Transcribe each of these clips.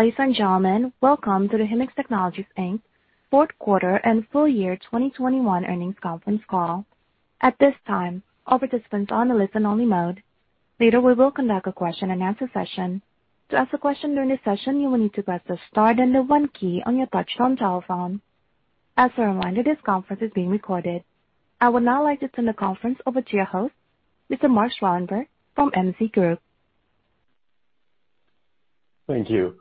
Hello, ladies and gentlemen. Welcome to the Himax Technologies, Inc. fourth quarter and full year 2021 earnings conference call. At this time, all participants are on a listen-only mode. Later, we will conduct a question and answer session. To ask a question during this session, you will need to press the star then the one key on your touch-tone telephone. As a reminder, this conference is being recorded. I would now like to turn the conference over to your host, Mr. Mark Schwalenberg from MZ Group. Thank you.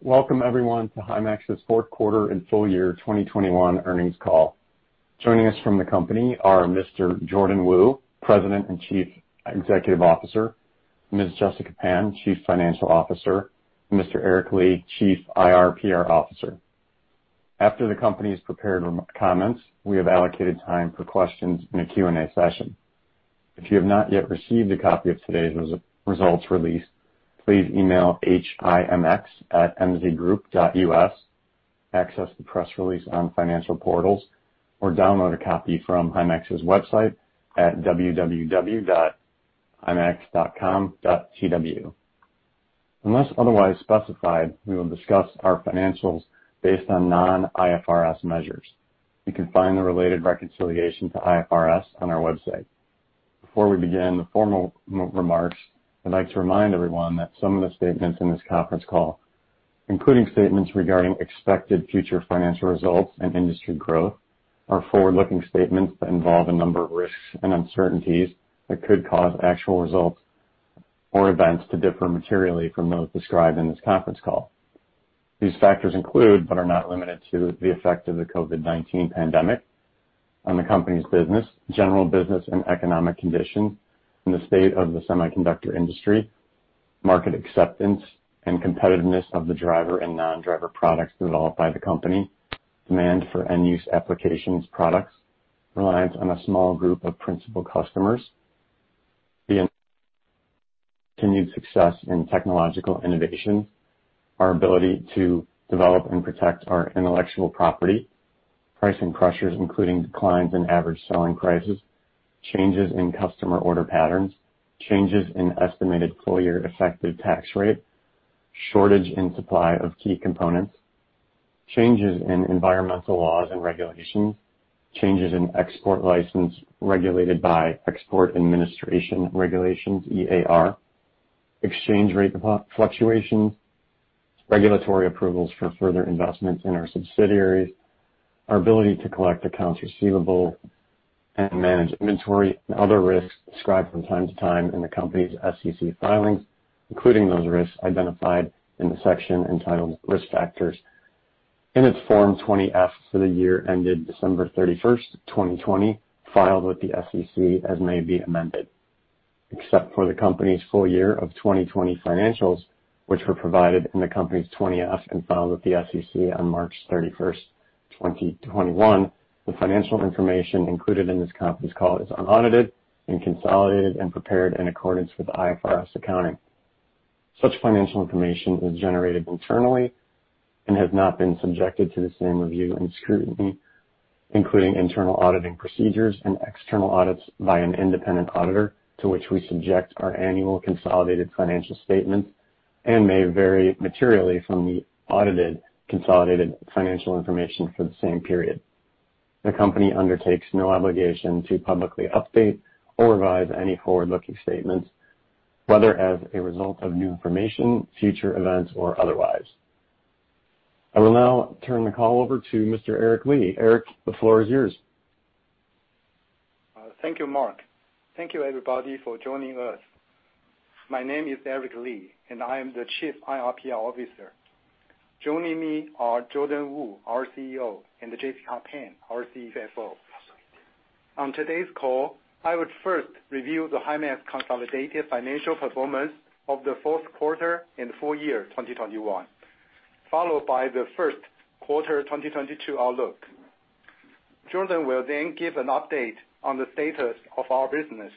Welcome everyone to Himax's fourth quarter and full year 2021 earnings call. Joining us from the company are Mr. Jordan Wu, President and Chief Executive Officer, Ms. Jessica Pan, Chief Financial Officer, Mr. Eric Li, Chief IR/PR Officer. After the company's prepared remarks, we have allocated time for questions in a Q&A session. If you have not yet received a copy of today's results release, please email himx@mzgroup.us, access the press release on financial portals, or download a copy from Himax's website at www.himax.com.tw. Unless otherwise specified, we will discuss our financials based on Non-IFRS measures. You can find the related reconciliation to IFRS on our website. Before we begin the formal remarks, I'd like to remind everyone that some of the statements in this conference call, including statements regarding expected future financial results and industry growth, are forward-looking statements that involve a number of risks and uncertainties that could cause actual results or events to differ materially from those described in this conference call. These factors include, but are not limited to, the effect of the COVID-19 pandemic on the company's business, general business and economic conditions, and the state of the semiconductor industry, market acceptance and competitiveness of the driver and non-driver products developed by the company, demand for end-use applications products, reliance on a small group of principal customers, the continued success in technological innovation, our ability to develop and protect our intellectual property, pricing pressures, including declines in average selling prices, changes in customer order patterns, changes in estimated full year effective tax rate, shortage and supply of key components, changes in environmental laws and regulations, changes in export license regulated by Export Administration Regulations, EAR, exchange rate fluctuation, regulatory approvals for further investments in our subsidiaries, our ability to collect accounts receivable and manage inventory and other risks described from time to time in the company's SEC filings, including those risks identified in the section entitled Risk Factors in its Form 20-F for the year ended December 31st, 2020, filed with the SEC, as may be amended. Except for the company's full year of 2020 financials, which were provided in the company's Form 20-F and filed with the SEC on March 31st, 2021. The financial information included in this conference call is unaudited and consolidated and prepared in accordance with IFRS accounting. Such financial information is generated internally and has not been subjected to the same review and scrutiny, including internal auditing procedures and external audits by an independent auditor to which we subject our annual consolidated financial statements and may vary materially from the audited consolidated financial information for the same period. The company undertakes no obligation to publicly update or revise any forward-looking statements, whether as a result of new information, future events or otherwise. I will now turn the call over to Mr. Eric Li. Eric, the floor is yours. Thank you, Mark. Thank you everybody for joining us. My name is Eric Li, and I am the Chief IR/PR Officer. Joining me are Jordan Wu, our CEO, and Jessica Pan, our CFO. On today's call, I would first review the Himax consolidated financial performance of the fourth quarter and full year 2021, followed by the first quarter 2022 outlook. Jordan will then give an update on the status of our business,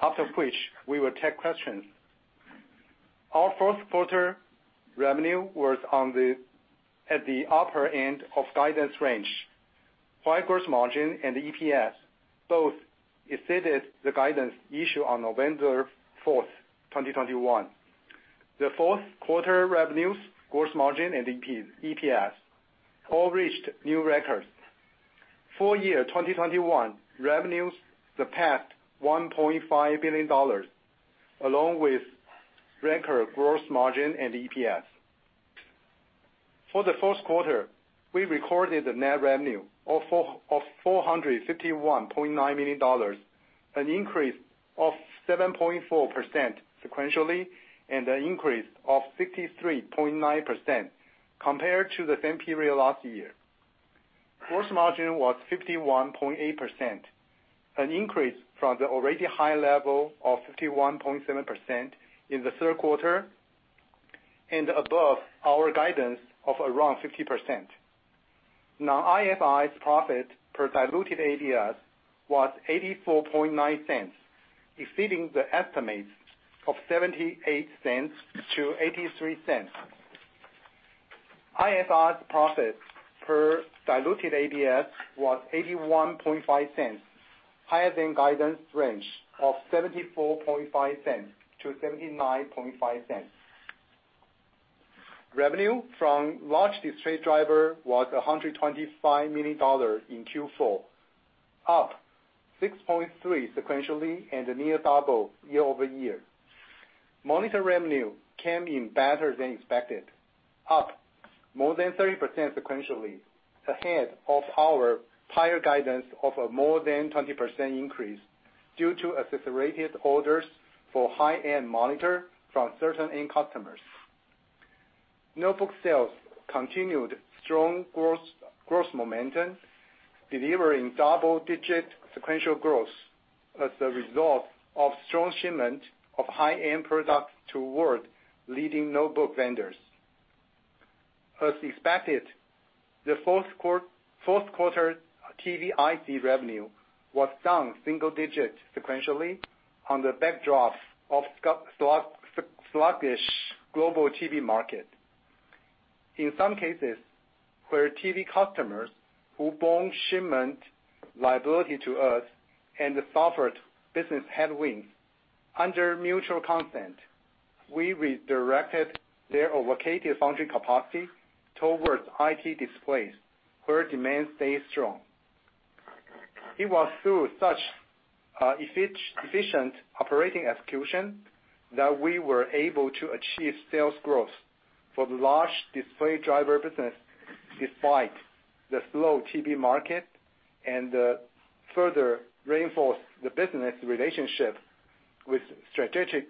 after which we will take questions. Our fourth quarter revenue was at the upper end of guidance range. Gross margin and EPS both exceeded the guidance issued on November 4th, 2021. The fourth quarter revenues, gross margin and EPS all reached new records. Full year 2021 revenues surpassed $1.5 billion, along with record gross margin and EPS. For the first quarter, we recorded a net revenue of $451.9 million, an increase of 7.4% sequentially and an increase of 63.9% compared to the same period last year. Gross margin was 51.8%, an increase from the already high level of 51.7% in the third quarter and above our guidance of around 50%. Non-IFRS profit per diluted ADS was $0.849, exceeding the estimates of $0.78-$0.83. IFRS profit per diluted ADS was $0.815, higher than guidance range of $0.745-$0.795. Revenue from large display driver was $125 million in Q4, up 6.3% sequentially and near double year-over-year. Monitor revenue came in better than expected, up more than 30% sequentially, ahead of our prior guidance of a more than 20% increase due to accelerated orders for high-end monitor from certain end customers. Notebook sales continued strong growth momentum, delivering double-digit sequential growth as a result of strong shipment of high-end products toward leading notebook vendors. As expected, the fourth quarter TV IC revenue was down single digits sequentially on the backdrop of sluggish global TV market. In some cases, where TV customers who borne shipment liability to us and suffered business headwinds, under mutual consent, we redirected their allocated foundry capacity towards IT displays where demand stayed strong. It was through such efficient operating execution that we were able to achieve sales growth for the large display driver business despite the slow TV market and further reinforce the business relationship with strategic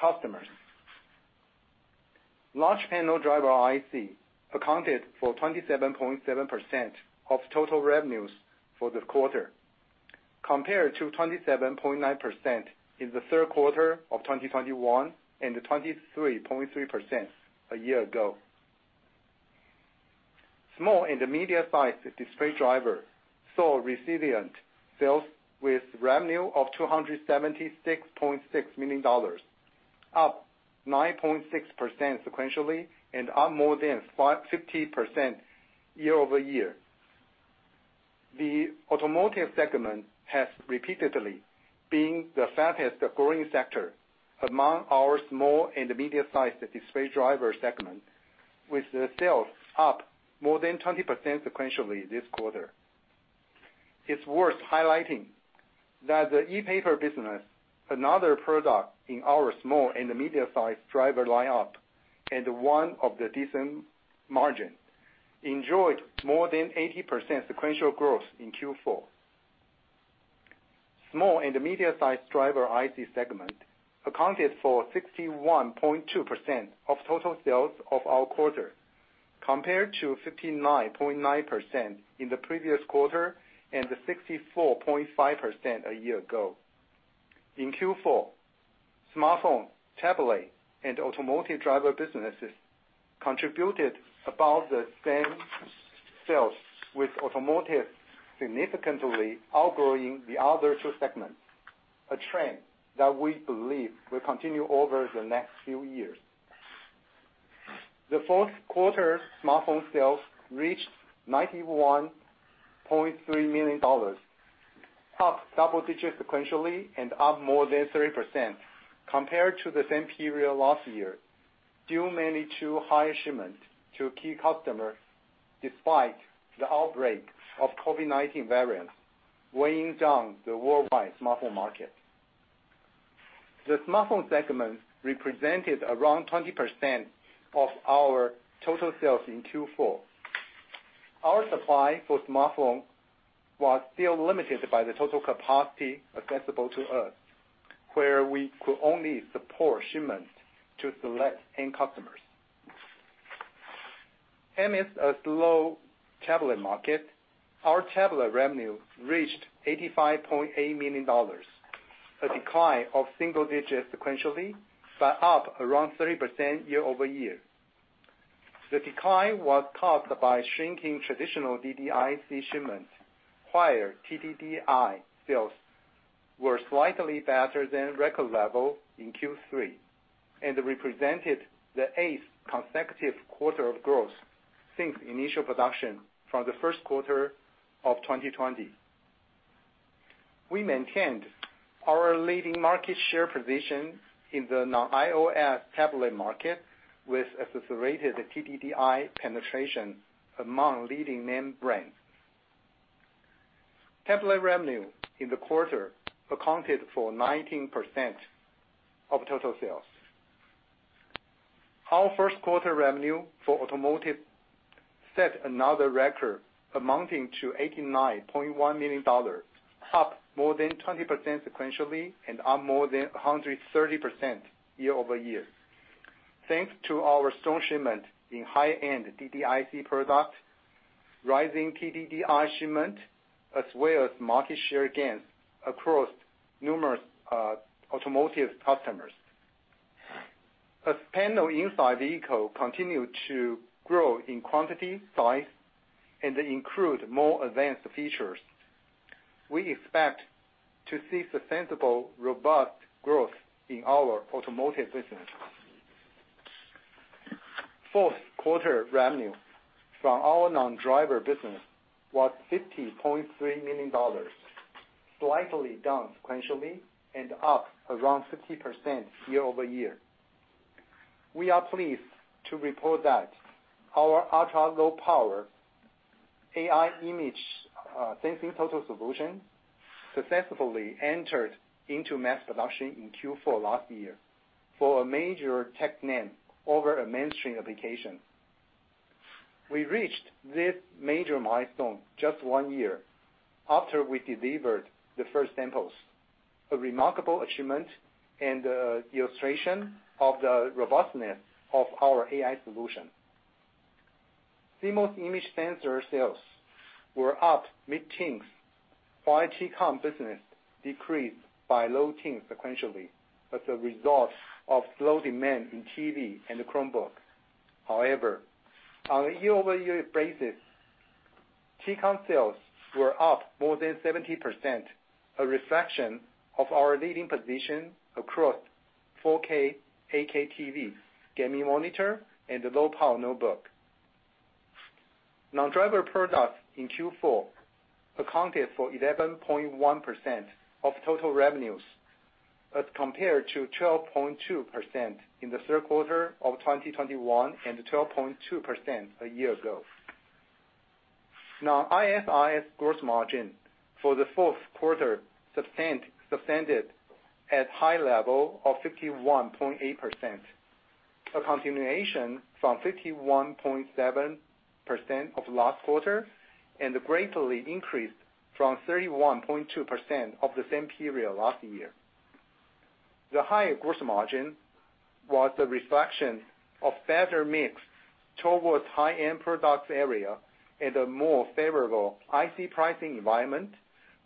customers. Large panel driver IC accounted for 27.7% of total revenues for the quarter, compared to 27.9% in the third quarter of 2021 and the 23.3% a year ago. Small and intermediate size display driver saw resilient sales with revenue of $276.6 million, up 9.6% sequentially and up more than 50% year-over-year. The automotive segment has repeatedly been the fastest-growing sector among our small and intermediate size display driver segment, with the sales up more than 20% sequentially this quarter. It's worth highlighting that the ePaper business, another product in our small and intermediate size driver lineup and one of the decent margin, enjoyed more than 80% sequential growth in Q4. Small and intermediate size driver IC segment accounted for 61.2% of total sales of our quarter, compared to 59.9% in the previous quarter and the 64.5% a year ago. In Q4, smartphone, tablet, and automotive driver businesses contributed about the same sales, with automotive significantly outgrowing the other two segments, a trend that we believe will continue over the next few years. Fourth quarter smartphone sales reached $91.3 million, up double-digits sequentially and up more than 30% compared to the same period last year, due mainly to high shipments to key customers despite the outbreak of COVID-19 variants weighing down the worldwide smartphone market. Smartphone segment represented around 20% of our total sales in Q4. Our supply for smartphone was still limited by the total capacity accessible to us, where we could only support shipments to select end customers. Amidst a slow tablet market, our tablet revenue reached $85.8 million, a decline of single digits sequentially, but up around 30% year-over-year. Decline was caused by shrinking traditional DDIC shipments. Higher TDDI sales were slightly better than record level in Q3 and represented the 8th consecutive quarter of growth since initial production from the first quarter of 2020. We maintained our leading market share position in the non-iOS tablet market with accelerated TDDI penetration among leading name brands. Tablet revenue in the quarter accounted for 19% of total sales. Our first quarter revenue for automotive set another record amounting to $89.1 million, up more than 20% sequentially and up more than 130% year-over-year. Thanks to our strong shipment in high-end DDIC product, rising TDDI shipment, as well as market share gains across numerous automotive customers. As panels inside vehicles continued to grow in quantity, size, and include more advanced features. We expect to see sustainable, robust growth in our automotive business. Fourth quarter revenue from our non-driver business was $50.3 million, slightly down sequentially and up around 50% year-over-year. We are pleased to report that our ultra-low power AI image, sensing total solution successfully entered into mass production in Q4 last year for a major tech name over a mainstream application. We reached this major milestone just one year after we delivered the first samples. A remarkable achievement and illustration of the robustness of our AI solution. CMOS image sensor sales were up mid-teens, while Tcon business decreased by low teens sequentially as a result of slow demand in TV and the Chromebook. However, on a year-over-year basis, Tcon sales were up more than 70%, a reflection of our leading position across 4K/8K TVs, gaming monitor, and the low-power notebook. Non-driver products in Q4 accounted for 11.1% of total revenues, as compared to 12.2% in the third quarter of 2021 and 12.2% a year ago. IFRS gross margin for the fourth quarter sustained at a high level of 51.8%, a continuation from 51.7% of last quarter, and greatly increased from 31.2% of the same period last year. The higher gross margin was a reflection of better mix towards high-end products area and a more favorable IC pricing environment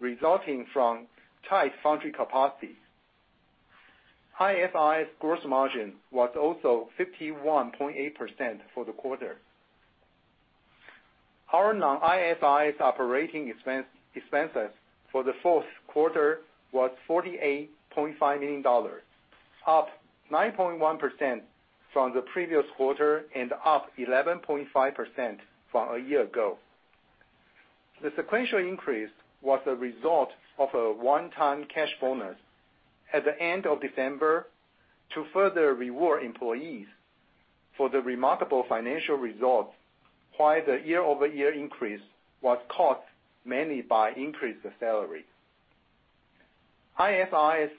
resulting from tight foundry capacity. IFRS gross margin was also 51.8% for the quarter. Our non-IFRS operating expenses for the fourth quarter was $48.5 million, up 9.1% from the previous quarter and up 11.5% from a year ago. The sequential increase was a result of a one-time cash bonus at the end of December to further reward employees for the remarkable financial results, while the year-over-year increase was caused mainly by increased salary. IFRS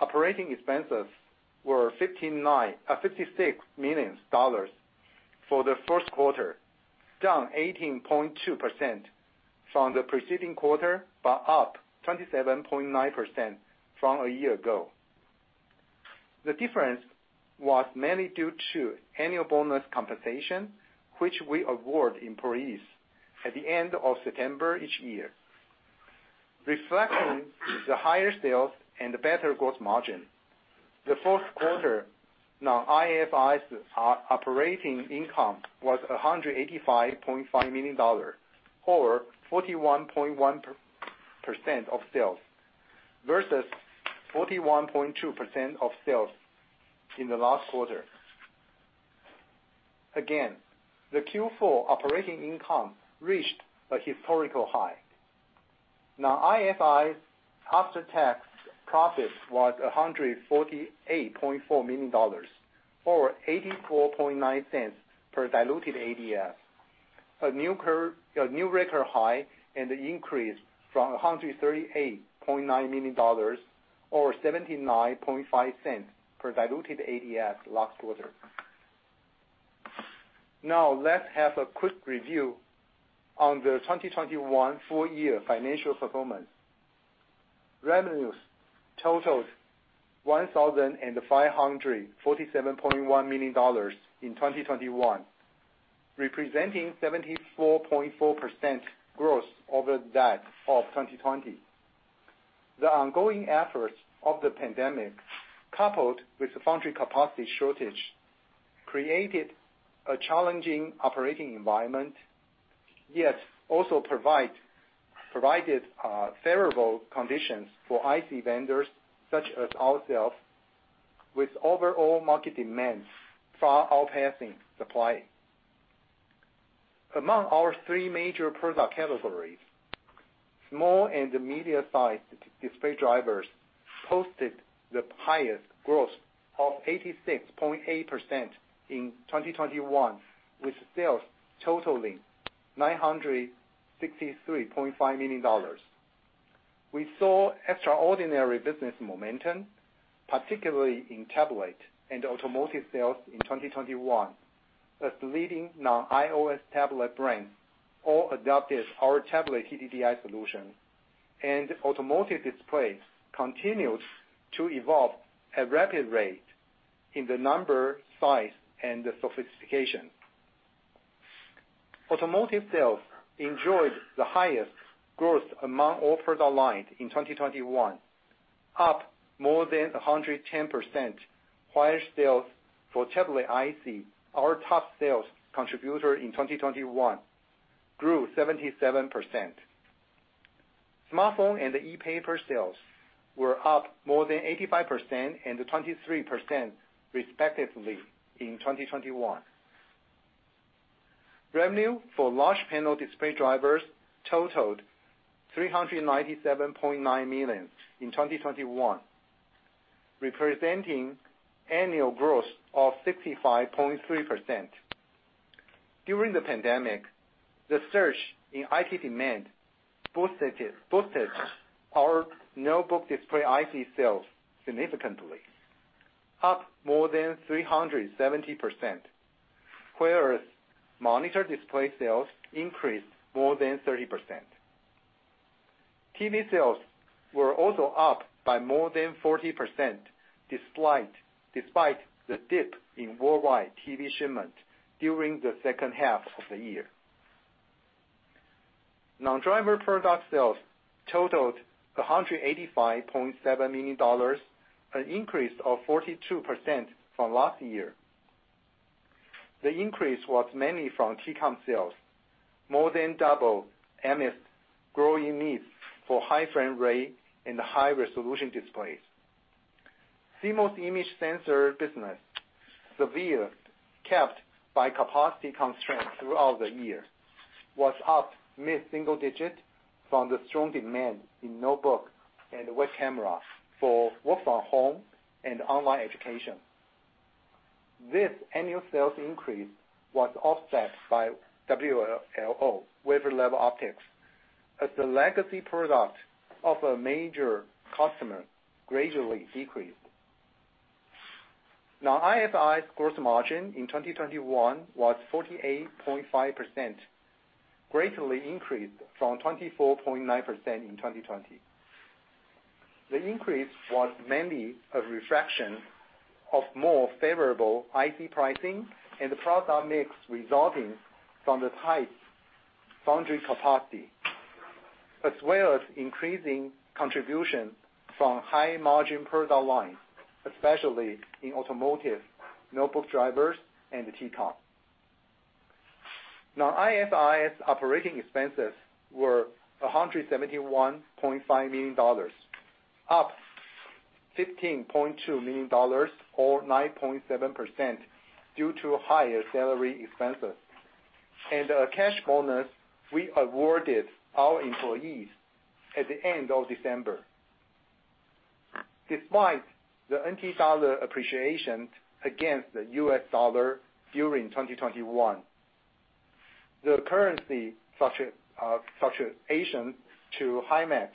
operating expenses were $159 million for the first quarter, down 18.2% from the preceding quarter, but up 27.9% from a year ago. The difference was mainly due to annual bonus compensation, which we award employees at the end of September each year. Reflecting the higher sales and better gross margin, the fourth quarter non-IFRS operating income was $185.5 million, or 41.1% of sales versus 41.2% of sales in the last quarter. Again, the Q4 operating income reached a historical high. Non-IFRS after-tax profit was $148.4 million or $0.849 per diluted ADS. A new record high and an increase from $138.9 million or $0.795 per diluted ADS last quarter. Now let's have a quick review on the 2021 full year financial performance. Revenue totaled $1,547.1 million in 2021, representing 74.4% growth over that of 2020. The ongoing effects of the pandemic, coupled with the foundry capacity shortage, created a challenging operating environment, yet also provided favorable conditions for IC vendors such as ourselves with overall market demands far outpacing supply. Among our three major product categories, small and medium-sized display drivers posted the highest growth of 86.8% in 2021, with sales totaling $963.5 million. We saw extraordinary business momentum, particularly in tablet and automotive sales in 2021 as the leading non-iOS tablet brands all adopted our tablet TDDI solution. Automotive displays continued to evolve at rapid rate in the number, size, and the sophistication. Automotive sales enjoyed the highest growth among all product lines in 2021, up more than 110%, while sales for tablet IC, our top sales contributor in 2021, grew 77%. Smartphone and ePaper sales were up more than 85% and 23% respectively in 2021. Revenue for large panel display drivers totaled $397.9 million in 2021, representing annual growth of 65.3%. During the pandemic, the surge in IT demand boosted our notebook display IC sales significantly, up more than 370%. Whereas monitor display sales increased more than 30%. TV sales were also up by more than 40%, despite the dip in worldwide TV shipment during the second half of the year. Non-driver product sales totaled $185.7 million, an increase of 42% from last year. The increase was mainly from Tcon sales, more than double amidst growing needs for high frame rate and high resolution displays. CMOS image sensor business, severely capped by capacity constraints throughout the year, was up mid-single digit from the strong demand in notebook and web camera for work from home and online education. This annual sales increase was offset by WLO, wafer level optics, as the legacy product of a major customer gradually decreased. Non-IFRS gross margin in 2021 was 48.5%, greatly increased from 24.9% in 2020. The increase was mainly a reflection of more favorable IC pricing and the product mix resulting from the tight foundry capacity. As well as increasing contribution from high-margin product lines, especially in automotive, notebook drivers, and Tcon. Non-IFRS operating expenses were $171.5 million, up $15.2 million or 9.7% due to higher salary expenses and cash bonus we awarded our employees at the end of December. Despite the NT dollar appreciation against the U.S. dollar during 2021, the currency fluctuation to Himax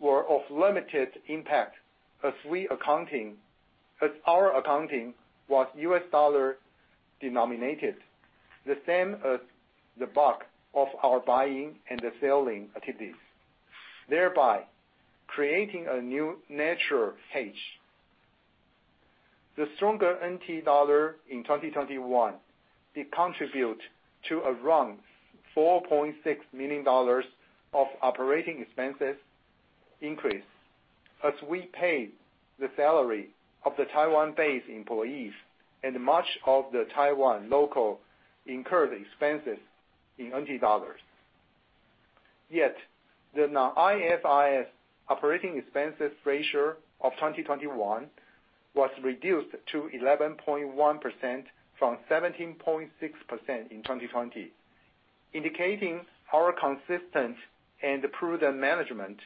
were of limited impact as our accounting was U.S. dollar denominated, the same as the bulk of our buying and the selling activities, thereby creating a natural hedge. The stronger NT dollar in 2021 did contribute to around $4.6 million of operating expenses increase. As we pay the salary of the Taiwan-based employees and much of the Taiwan local incurred expenses in NT dollars. Yet, the Non-IFRS's operating expenses ratio of 2021 was reduced to 11.1% from 17.6% in 2020. Indicating our consistent and prudent management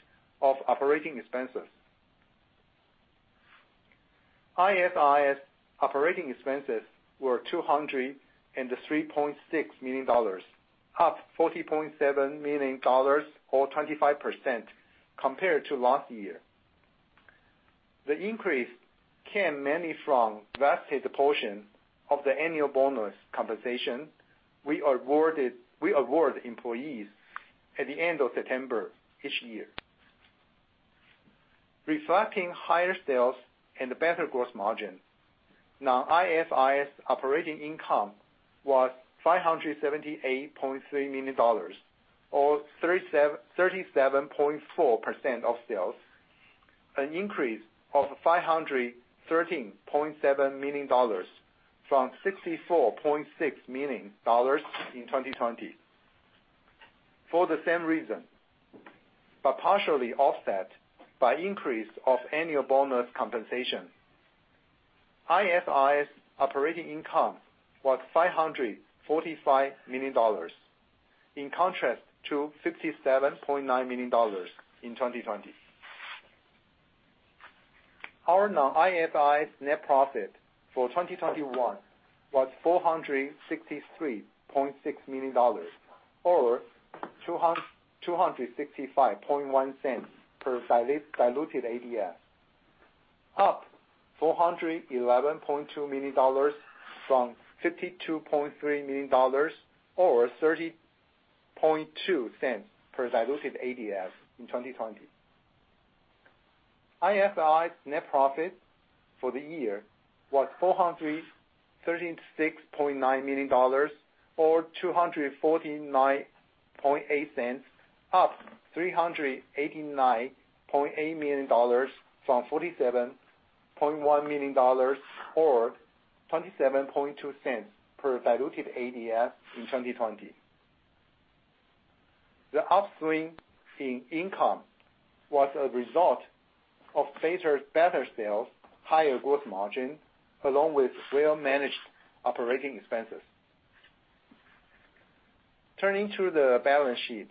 of operating expenses. Non-IFRS's operating expenses were $203.6 million, up $40.7 million or 25% compared to last year. The increase came mainly from vested portion of the annual bonus compensation we award employees at the end of September each year. Reflecting higher sales and better gross margin, Non-IFRS's operating income was $578.3 million or 37.4% of sales. An increase of $513.7 million from $64.6 million in 2020. For the same reason, but partially offset by increase of annual bonus compensation. Non-IFRS operating income was $545 million, in contrast to $57.9 million in 2020. Our Non-IFRS net profit for 2021 was $463.6 million or $2.651 per diluted ADS. Up $411.2 million from $52.3 million or $0.302 per diluted ADS in 2020. Non-IFRS net profit for the year was $436.9 million or $2.498 per diluted ADS, up $389.8 million from $47.1 million or $0.272 per diluted ADS in 2020. The upswing in income was a result of better sales, higher gross margin, along with well-managed operating expenses. Turning to the balance sheet.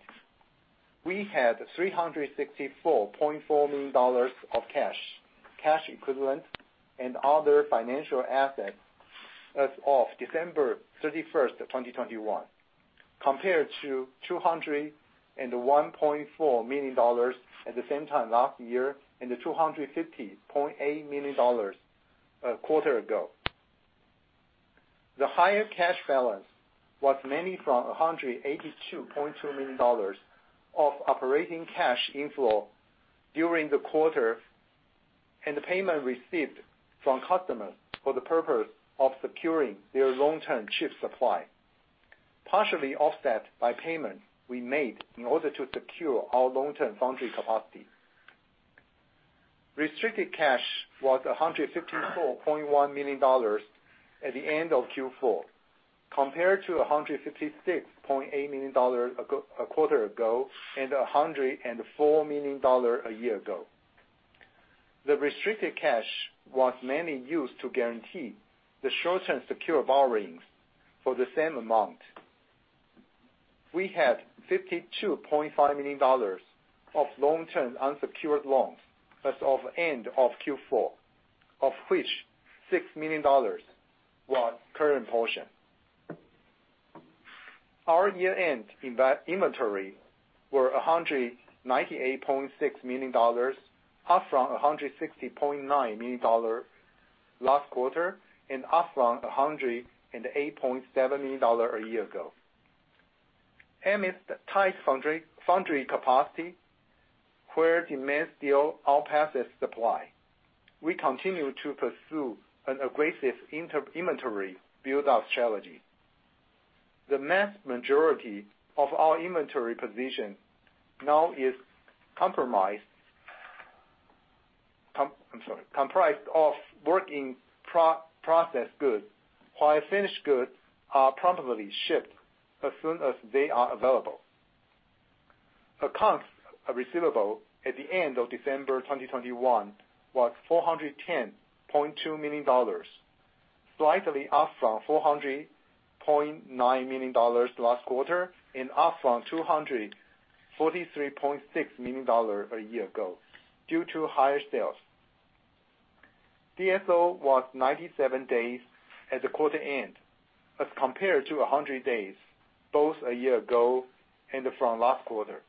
We had $364.4 million of cash equivalents and other financial assets as of December 31st, 2021, compared to $201.4 million at the same time last year, and $250.8 million a quarter ago. The higher cash balance was mainly from $182.2 million of operating cash inflow during the quarter, and the payment received from customers for the purpose of securing their long-term chip supply, partially offset by payments we made in order to secure our long-term foundry capacity. Restricted cash was $154.1 million at the end of Q4, compared to $156.8 million a quarter ago, and $104 million a year ago. The restricted cash was mainly used to guarantee the short-term secured borrowings for the same amount. We had $52.5 million of long-term unsecured loans as of end of Q4, of which $6 million was current portion. Our year-end inventory was $198.6 million, up from $160.9 million last quarter and up from $108.7 million a year ago. Amidst tight foundry capacity, where demand still outpaces supply, we continue to pursue an aggressive inventory build-out strategy. The vast majority of our inventory position now is comprised of work-in-process goods, while finished goods are promptly shipped as soon as they are available. Accounts receivable at the end of December 2021 was $410.2 million, slightly up from $400.9 million last quarter and up from $243.6 million a year ago due to higher sales. DSO was 97 days at the quarter end as compared to 100 days, both a year ago and from last quarter.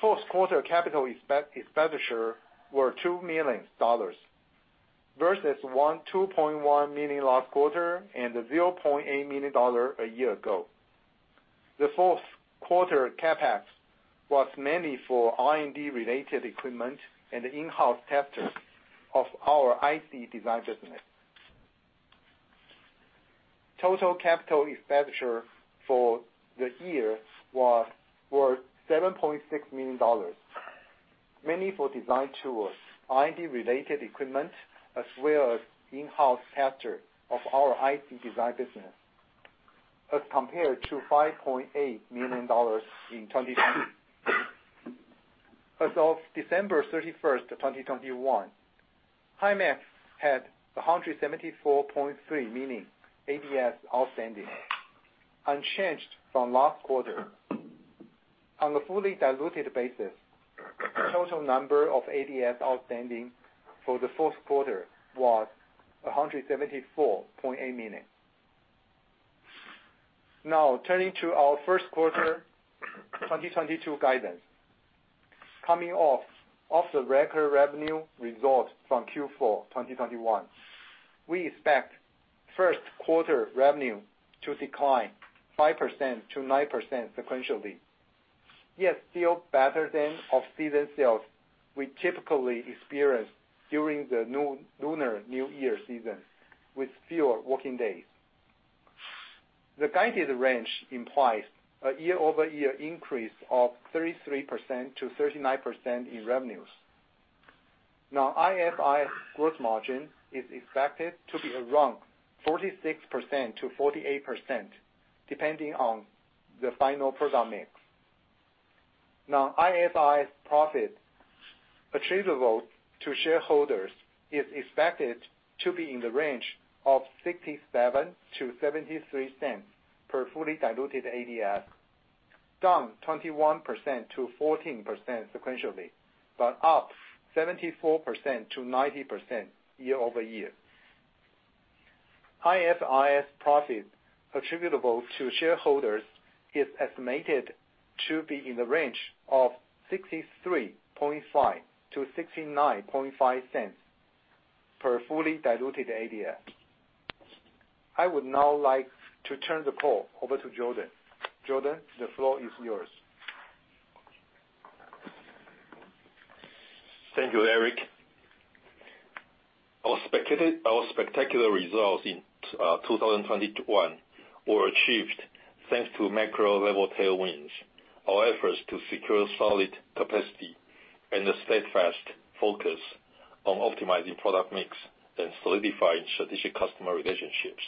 Fourth quarter capital expenditure were $2 million versus $2.1 million last quarter and the $0.8 million a year ago. The fourth quarter CapEx was mainly for R&D related equipment and in-house testing of our IC design business. Total capital expenditure for the year was $7.6 million, mainly for design tools, R&D related equipment, as well as in-house tester of our IC design business, as compared to $5.8 million in 2020. As of December 31, 2021, Himax had 174.3 million ADSs outstanding, unchanged from last quarter. On a fully diluted basis, total number of ADSs outstanding for the fourth quarter was 174.8 million. Now, turning to our first quarter 2022 guidance. Coming off the record revenue result from Q4 2021, we expect first quarter revenue to decline 5%-9% sequentially. Yet still better than off-season sales we typically experience during the Lunar New Year season with fewer working days. The guided range implies a year-over-year increase of 33%-39% in revenues. Now, IFRS gross margin is expected to be around 46%-48%, depending on the final product mix. Now, IFRS profit attributable to shareholders is expected to be in the range of $0.67-$0.73 per fully diluted ADS, down 21%-14% sequentially, but up 74%-90% year-over-year. IFRS profit attributable to shareholders is estimated to be in the range of $0.635-$0.695 per fully diluted ADS. I would now like to turn the call over to Jordan. Jordan, the floor is yours. Thank you, Eric. Our spectacular results in 2021 were achieved thanks to macro level tailwinds, our efforts to secure solid capacity and a steadfast focus on optimizing product mix and solidifying strategic customer relationships.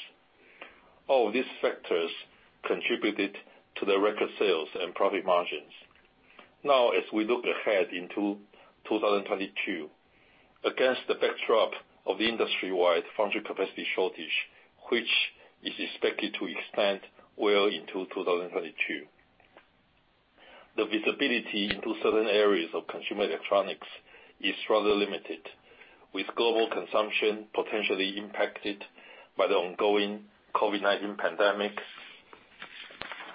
All these factors contributed to the record sales and profit margins. Now, as we look ahead into 2022, against the backdrop of the industry-wide foundry capacity shortage, which is expected to extend well into 2022, the visibility into certain areas of consumer electronics is rather limited, with global consumption potentially impacted by the ongoing COVID-19 pandemic,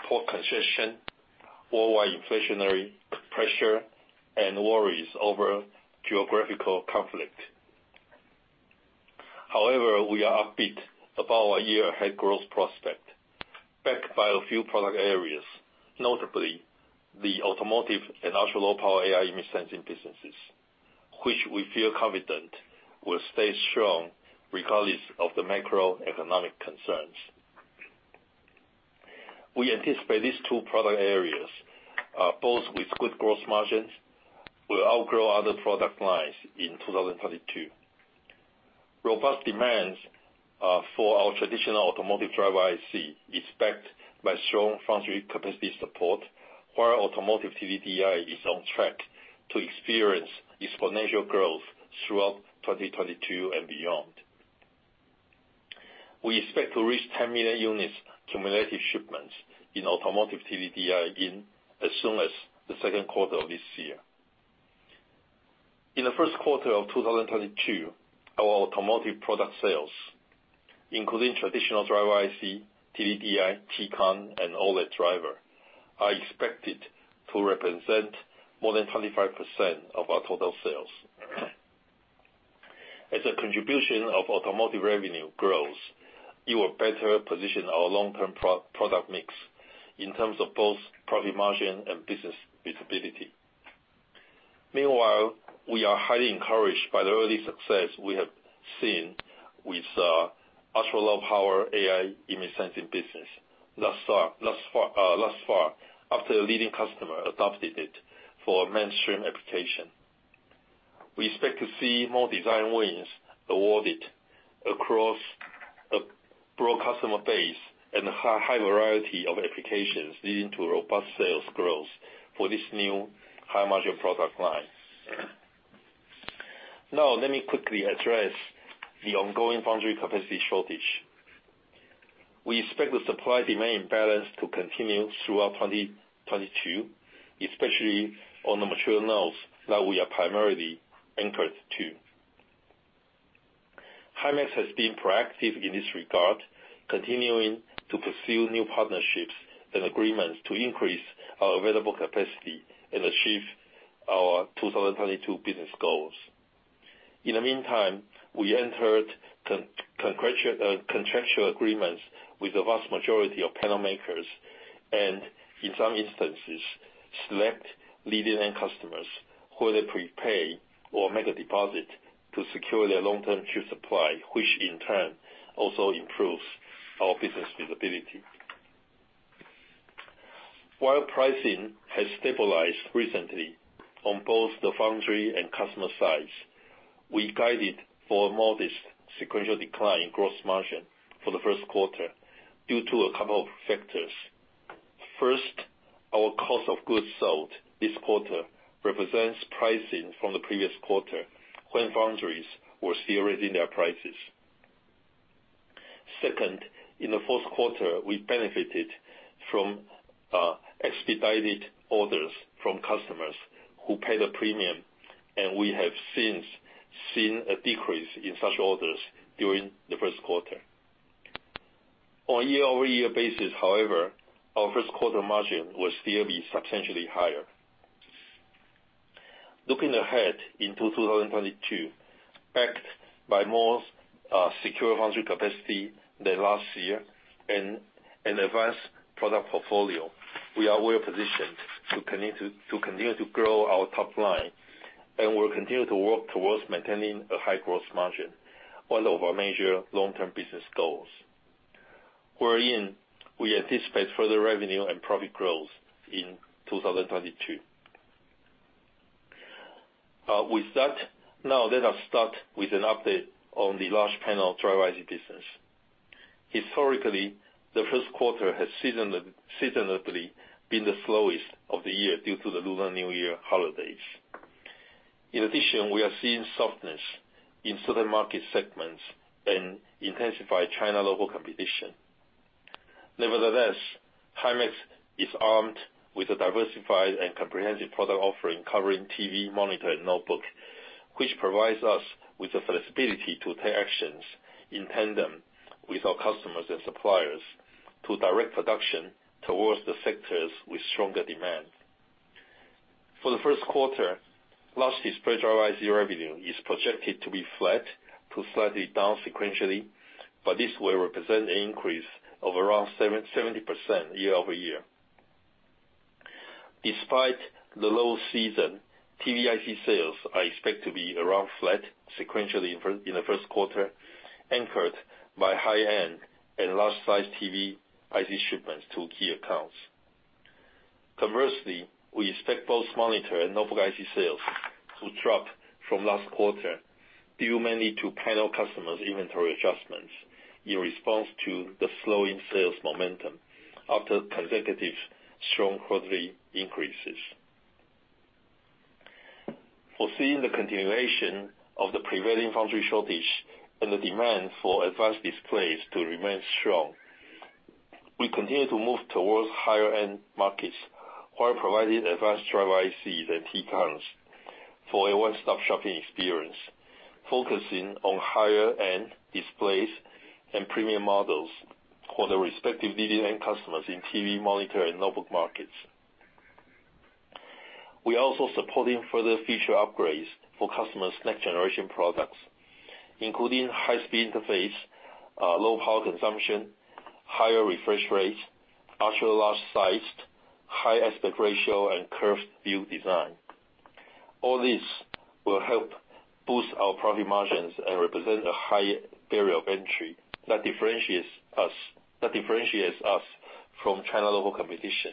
port congestion, worldwide inflationary pressure and worries over geopolitical conflict. However, we are upbeat about our year ahead growth prospect, backed by a few product areas, notably the automotive and ultra-low power AI image sensing businesses, which we feel confident will stay strong regardless of the macroeconomic concerns. We anticipate these two product areas, both with good growth margins, will outgrow other product lines in 2022. Robust demands for our traditional automotive driver IC is backed by strong foundry capacity support, while automotive TDDI is on track to experience exponential growth throughout 2022 and beyond. We expect to reach 10 million units cumulative shipments in automotive TDDI in as soon as the second quarter of this year. In the first quarter of 2022, our automotive product sales, including traditional driver IC, TDDI, Tcon and OLED driver, are expected to represent more than 25% of our total sales. As a contribution of automotive revenue grows, it will better position our long-term product mix in terms of both profit margin and business visibility. Meanwhile, we are highly encouraged by the early success we have seen with ultra-low power AI image sensing business thus far after a leading customer adopted it for mainstream application. We expect to see more design wins awarded across a broad customer base and a high variety of applications leading to robust sales growth for this new high-margin product line. Now, let me quickly address the ongoing foundry capacity shortage. We expect the supply-demand balance to continue throughout 2022, especially on the mature nodes that we are primarily anchored to. Himax has been proactive in this regard, continuing to pursue new partnerships and agreements to increase our available capacity and achieve our 2022 business goals. In the meantime, we entered contractual agreements with the vast majority of panel makers, and in some instances, select leading end customers where they prepay or make a deposit to secure their long-term chip supply, which in turn also improves our business visibility. While pricing has stabilized recently on both the foundry and customer sides, we guided for a modest sequential decline in gross margin for the first quarter due to a couple of factors. First, our cost of goods sold this quarter represents pricing from the previous quarter when foundries were still raising their prices. Second, in the fourth quarter, we benefited from expedited orders from customers who paid a premium, and we have since seen a decrease in such orders during the first quarter. On a year-over-year basis, however, our first quarter margin will still be substantially higher. Looking ahead into 2022, backed by more secure foundry capacity than last year and an advanced product portfolio, we are well positioned to continue to grow our top line, and we'll continue to work towards maintaining a high growth margin, one of our major long-term business goals. Wherein, we anticipate further revenue and profit growth in 2022. With that, now let us start with an update on the large panel driver IC business. Historically, the first quarter has seasonally been the slowest of the year due to the Lunar New Year holidays. In addition, we are seeing softness in certain market segments and intensified China local competition. Nevertheless, Himax is armed with a diversified and comprehensive product offering covering TV, monitor, and notebook, which provides us with the flexibility to take actions in tandem with our customers and suppliers to direct production towards the sectors with stronger demand. For the first quarter, large display driver IC revenue is projected to be flat to slightly down sequentially, but this will represent an increase of around 77% year-over-year. Despite the low season, DDIC sales are expected to be around flat sequentially in the first quarter, anchored by high-end and large-size TV IC shipments to key accounts. Conversely, we expect both monitor and notebook IC sales to drop from last quarter due mainly to panel customers' inventory adjustments in response to the slowing sales momentum after consecutive strong quarterly increases. Foreseeing the continuation of the prevailing foundry shortage and the demand for advanced displays to remain strong, we continue to move towards higher-end markets while providing advanced driver ICs and Tcons for a one-stop shopping experience, focusing on higher-end displays and premium models for the respective DDIC customers in TV monitor and notebook markets. We are also supporting further feature upgrades for customers' next-generation products, including high-speed interface, low power consumption, higher refresh rates, ultra-large sized, high aspect ratio, and curved view design. All this will help boost our profit margins and represent a high barrier of entry that differentiates us from Chinese local competition.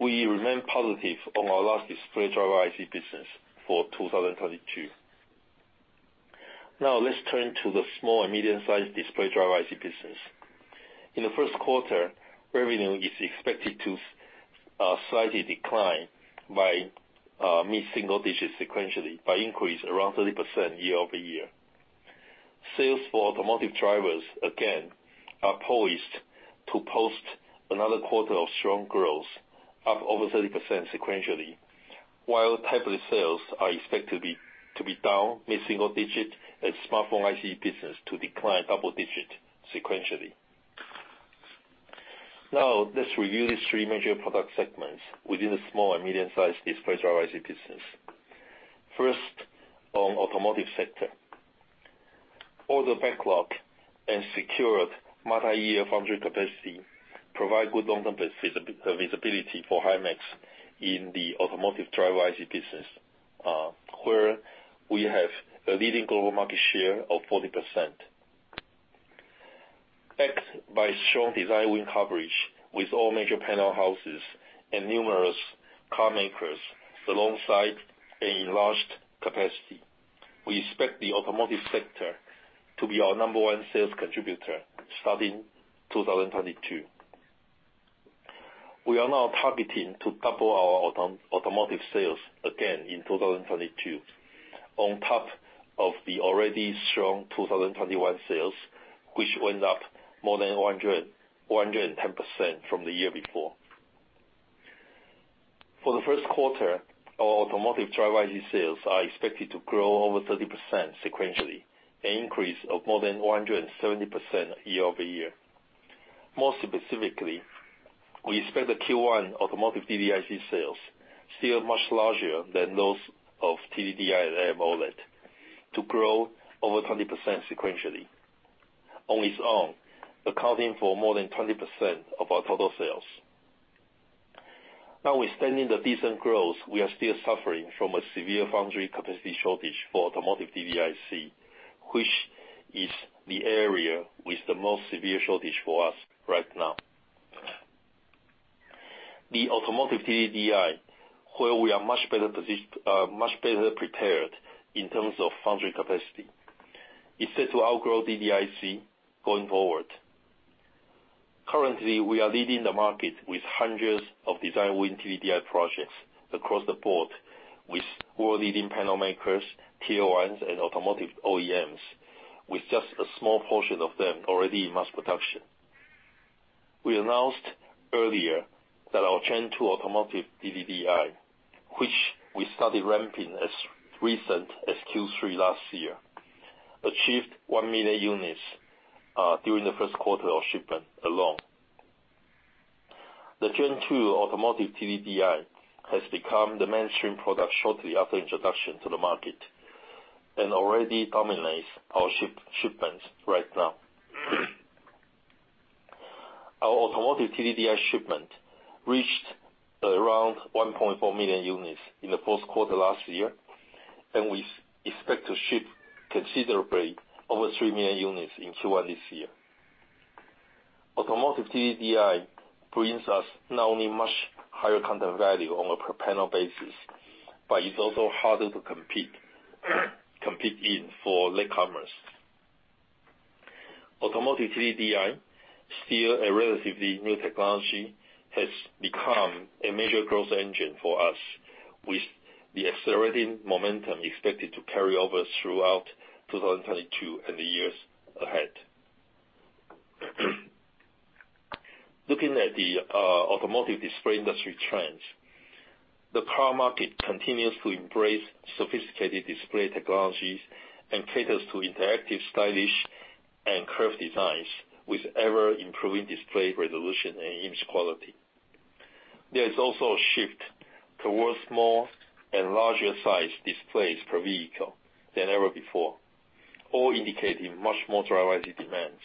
We remain positive on our large display driver IC business for 2022. Now, let's turn to the small and medium-sized display driver IC business. In the first quarter, revenue is expected to slightly decline by mid-single digits sequentially but increase around 30% year-over-year. Sales for automotive drivers, again, are poised to post another quarter of strong growth, up over 30% sequentially. While tablet sales are expected to be down mid-single digits and smartphone IC business to decline double-digits sequentially. Now, let's review the three major product segments within the small and medium-sized display driver IC business. First, on the automotive sector. Order backlog and secured multi-year foundry capacity provide good long-term visibility for Himax in the automotive driver IC business, where we have a leading global market share of 40%. Backed by strong design win coverage with all major panel houses and numerous car makers alongside an enlarged capacity, we expect the automotive sector to be our number one sales contributor starting 2022. We are now targeting to double our automotive sales again in 2022 on top of the already strong 2021 sales, which went up more than 110% from the year before. For the first quarter, our automotive driver IC sales are expected to grow over 30% sequentially, an increase of more than 170% year-over-year. More specifically, we expect the Q1 automotive DDIC sales, still much larger than those of TDDI and AMOLED, to grow over 20% sequentially. On its own, accounting for more than 20% of our total sales. Notwithstanding the decent growth, we are still suffering from a severe foundry capacity shortage for automotive DDIC, which is the area with the most severe shortage for us right now. The automotive TDDI, where we are much better prepared in terms of foundry capacity, is set to outgrow DDIC going forward. Currently, we are leading the market with hundreds of design win TDDI projects across the board with world leading panel makers, Tier-1s, and automotive OEMs, with just a small portion of them already in mass production. We announced earlier that our Gen 2 automotive TDDI, which we started ramping as recently as Q3 last year, achieved 1 million units during the first quarter of shipment alone. The Gen 2 automotive TDDI has become the mainstream product shortly after introduction to the market and already dominates our shipments right now. Our automotive TDDI shipment reached around 1.4 million units in the fourth quarter last year, and we expect to ship considerably over 3 million units in Q1 this year. Automotive TDDI brings us not only much higher content value on a per panel basis, but it's also harder to compete in for latecomers. Automotive TDDI, still a relatively new technology, has become a major growth engine for us, with the accelerating momentum expected to carry over throughout 2022 and the years ahead. Looking at the automotive display industry trends, the car market continues to embrace sophisticated display technologies and caters to interactive, stylish and curved designs with ever improving display resolution and image quality. There is also a shift towards more and larger sized displays per vehicle than ever before, all indicating much more driver demands.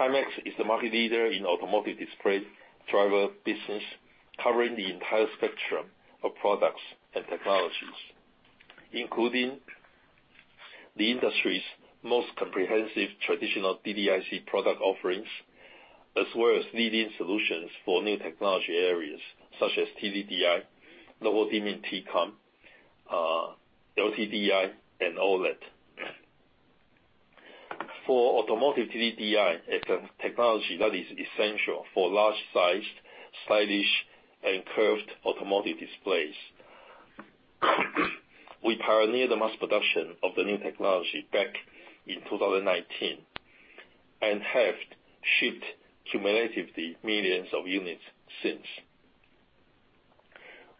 Himax is the market leader in automotive display driver business, covering the entire spectrum of products and technologies, including the industry's most comprehensive traditional TDDI product offerings as well as leading solutions for new technology areas such as TDDI, local dimming Tcon, LTDI and OLED. For automotive TDDI as a technology that is essential for large-sized, stylish, and curved automotive displays, we pioneered the mass production of the new technology back in 2019, and have shipped cumulatively millions of units since.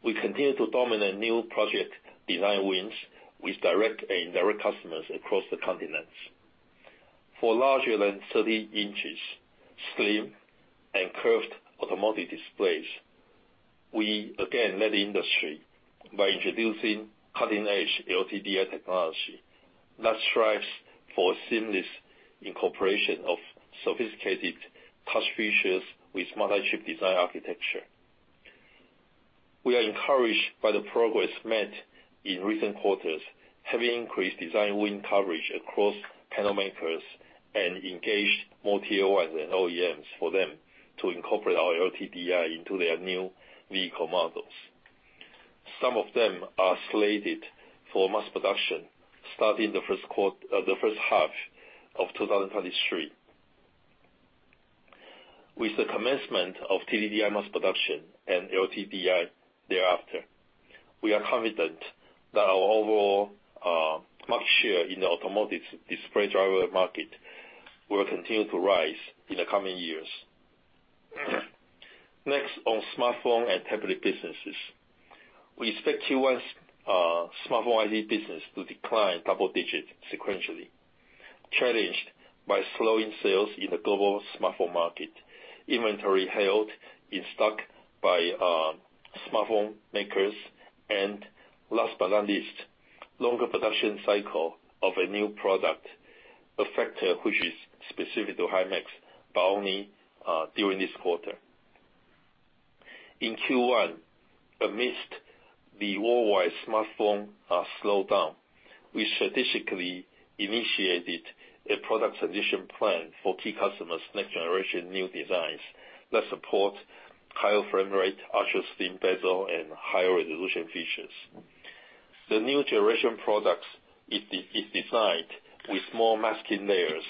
We continue to dominate new project design wins with direct and indirect customers across the continents. For larger than 30 inches, slim, and curved automotive displays, we again led the industry by introducing cutting-edge LTDI technology that strives for seamless incorporation of sophisticated touch features with multi-chip design architecture. We are encouraged by the progress made in recent quarters, having increased design win coverage across panel makers and engaged more Tier-1s and OEMs for them to incorporate our LTDI into their new vehicle models. Some of them are slated for mass production starting the first half of 2023. With the commencement of TDDI mass production and LTDI thereafter, we are confident that our overall market share in the automotive display driver market will continue to rise in the coming years. Next, on smartphone and tablet businesses. We expect Q1's smartphone IC business to decline double-digits sequentially, challenged by slowing sales in the global smartphone market, inventory held in stock by smartphone makers and last but not least, longer production cycle of a new product, a factor which is specific to Himax, but only during this quarter. In Q1, amidst the worldwide smartphone slowdown, we strategically initiated a product transition plan for key customers' next generation new designs that support higher frame rate, ultra-slim bezel, and higher resolution features. The new generation products is designed with more masking layers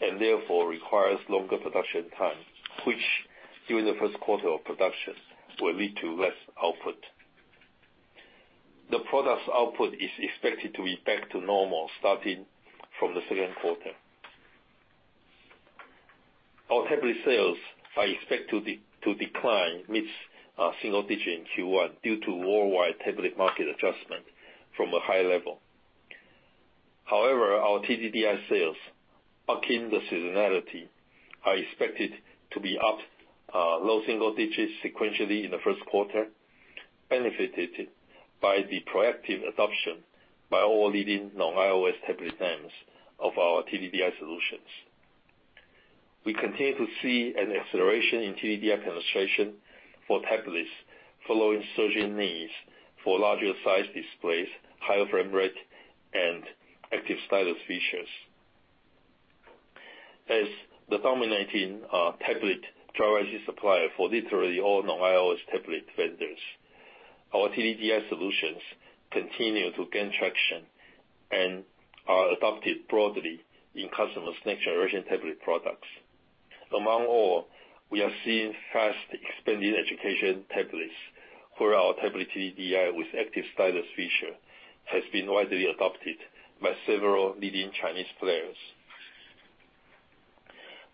and therefore requires longer production time, which during the first quarter of production will lead to less output. The product's output is expected to be back to normal starting from the second quarter. Our tablet sales are expected to decline mid-single digit in Q1 due to worldwide tablet market adjustment from a high level. However, our TDDI sales, bucking the seasonality, are expected to be up low single digits sequentially in the first quarter, benefited by the proactive adoption by all leading non-iOS tablet OEMs of our TDDI solutions. We continue to see an acceleration in TDDI penetration for tablets following surging needs for larger sized displays, higher frame rate, and active stylus features. As the dominating tablet driver IC supplier for literally all non-iOS tablet vendors, our TDDI solutions continue to gain traction and are adopted broadly in customers' next generation tablet products. Among all, we are seeing fast expanding education tablets for our tablet TDDI with active stylus feature, has been widely adopted by several leading Chinese players.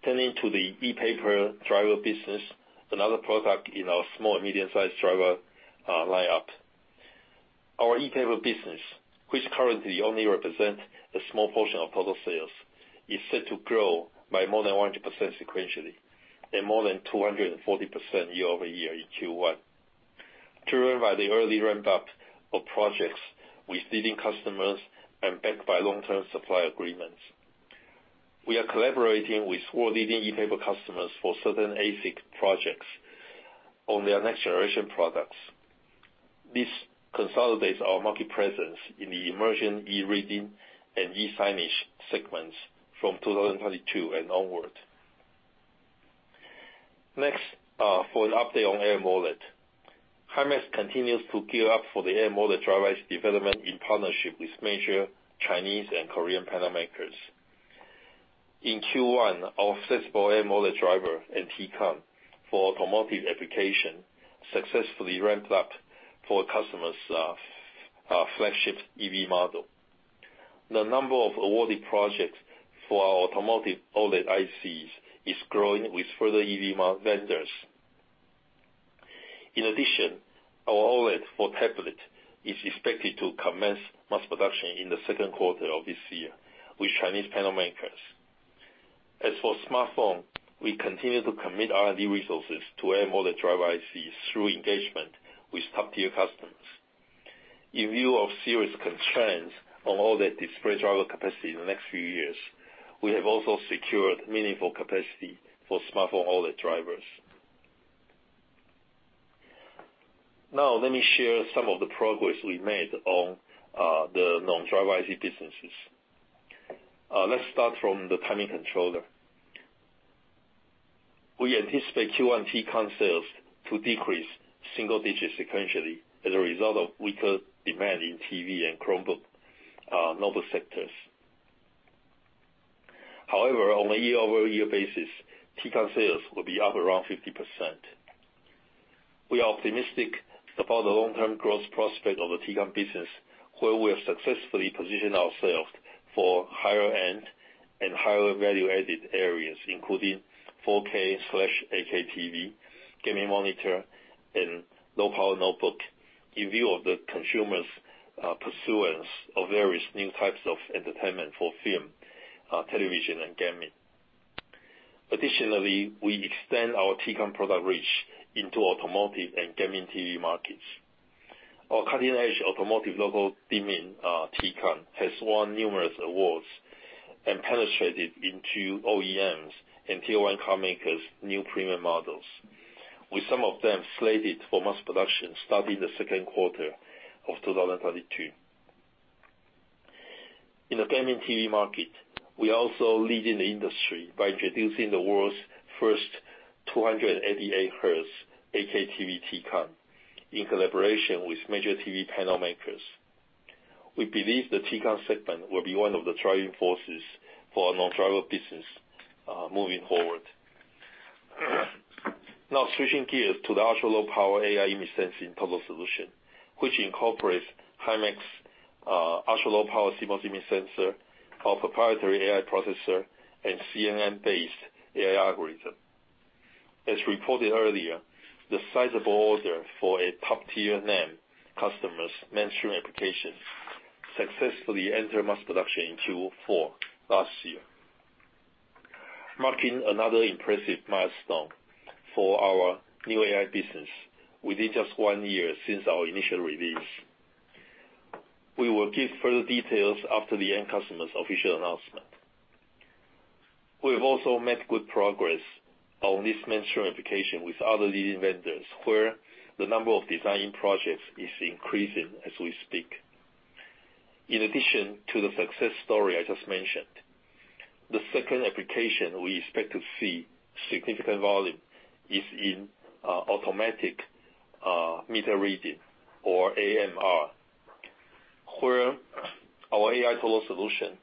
Turning to the e-paper driver business, another product in our small and medium-sized driver lineup. Our ePaper business, which currently only represents a small portion of total sales, is set to grow by more than 100% sequentially and more than 240% year-over-year in Q1, driven by the early ramp-up of projects with leading customers and backed by long-term supply agreements. We are collaborating with world-leading ePaper customers for certain ASIC projects on their next generation products. This consolidates our market presence in the emerging e-reading and e-signage segments from 2022 and onward. Next, for an update on AMOLED. Himax continues to gear up for the AMOLED driver's development in partnership with major Chinese and Korean panel makers. In Q1, our flexible AMOLED driver and Tcon for automotive application successfully ramped up for a customer's flagship EV model. The number of awarded projects for our automotive OLED ICs is growing with further EV module vendors. In addition, our OLED for tablet is expected to commence mass production in the second quarter of this year with Chinese panel makers. As for smartphone, we continue to commit R&D resources to AMOLED driver ICs through engagement with top-tier customers. In view of serious constraints on OLED display driver capacity in the next few years, we have also secured meaningful capacity for smartphone OLED drivers. Now let me share some of the progress we made on the non-driver IC businesses. Let's start from the timing controller. We anticipate Q1 Tcon sales to decrease single digits sequentially as a result of weaker demand in TV and Chromebook notebook sectors. However, on a year-over-year basis, Tcon sales will be up around 50%. We are optimistic about the long-term growth prospect of the Tcon business, where we have successfully positioned ourselves for higher end and higher value-added areas, including 4K/8K TV, gaming monitor, and low-power notebook in view of the consumer's pursuance of various new types of entertainment for film, television and gaming. Additionally, we extend our Tcon product reach into automotive and gaming TV markets. Our cutting-edge automotive local dimming Tcon has won numerous awards and penetrated into OEMs and Tier-1 car makers' new premium models, with some of them slated for mass production starting the second quarter of 2022. In the gaming TV market, we are also leading the industry by introducing the world's first 288 hertz 8K TV Tcon in collaboration with major TV panel makers. We believe the Tcon segment will be one of the driving forces for our non-driver business, moving forward. Now switching gears to the ultra low power AI image sensing total solution, which incorporates Himax ultra low power CMOS image sensor, our proprietary AI processor, and CNN-based AI algorithm. As reported earlier, the sizable order for a top-tier name customer's mainstream applications successfully entered mass production in Q4 last year, marking another impressive milestone for our new AI business within just one year since our initial release. We will give further details after the end customer's official announcement. We have also made good progress on this mainstream application with other leading vendors, where the number of design projects is increasing as we speak. In addition to the success story I just mentioned, the second application we expect to see significant volume is in automatic meter reading or AMR, where our AI total solution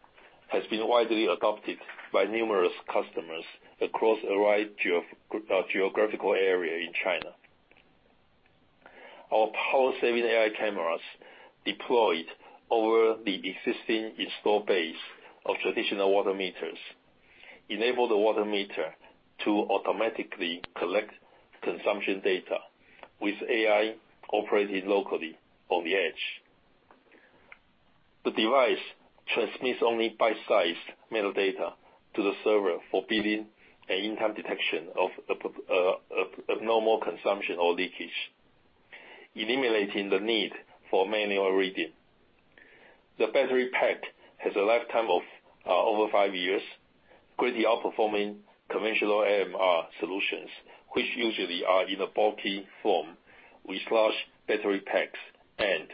has been widely adopted by numerous customers across a wide geographical area in China. Our power-saving AI cameras deployed over the existing install base of traditional water meters enable the water meter to automatically collect consumption data with AI operating locally on the edge. The device transmits only bite-sized metadata to the server for billing and in time detection of the normal consumption or leakage, eliminating the need for manual reading. The battery pack has a lifetime of over five years, greatly outperforming conventional AMR solutions, which usually are in a bulky form with large battery packs and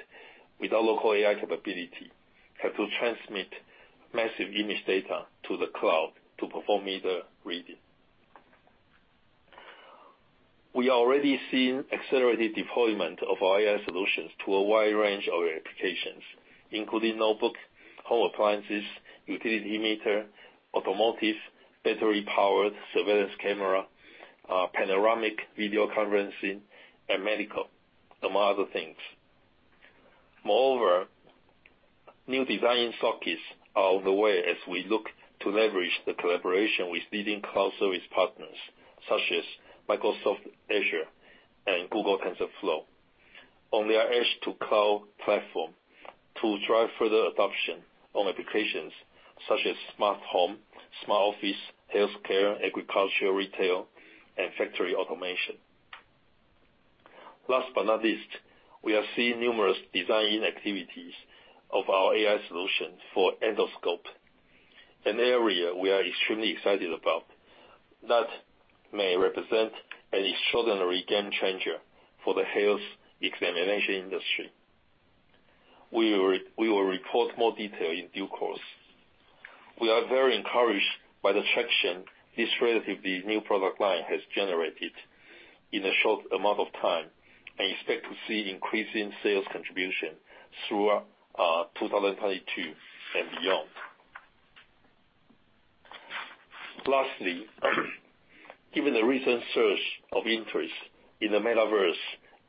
without local AI capability, have to transmit massive image data to the cloud to perform meter reading. We are already seeing accelerated deployment of our AI solutions to a wide range of applications, including notebook, home appliances, utility meter, automotive, battery-powered surveillance camera, panoramic video conferencing, and medical, among other things. Moreover, new design sockets are underway as we look to leverage the collaboration with leading cloud service partners such as Microsoft Azure and Google TensorFlow on their edge to cloud platform to drive further adoption on applications such as smart home, smart office, healthcare, agriculture, retail, and factory automation. Last but not least, we are seeing numerous design activities of our AI solution for endoscope, an area we are extremely excited about that may represent an extraordinary game changer for the health examination industry. We will report more detail in due course. We are very encouraged by the traction this relatively new product line has generated in a short amount of time, and expect to see increasing sales contribution throughout 2022 and beyond. Lastly, given the recent surge of interest in the Metaverse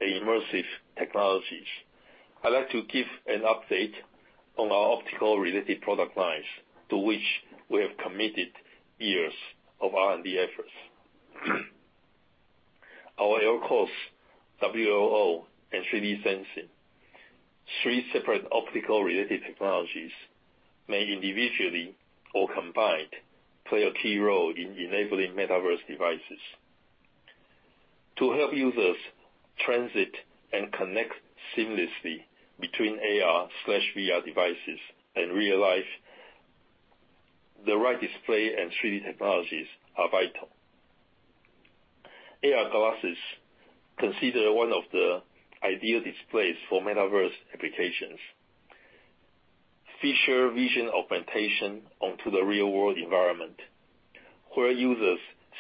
and immersive technologies. I'd like to give an update on our optical-related product lines to which we have committed years of R&D efforts. Our LCoS, WLO, and 3D sensing, three separate optical-related technologies may individually or combined play a key role in enabling metaverse devices. To help users transition and connect seamlessly between AR/VR devices and real life, the right display and 3D technologies are vital. AR glasses considered one of the ideal displays for Metaverse applications. Featuring vision augmentation onto the real-world environment, where users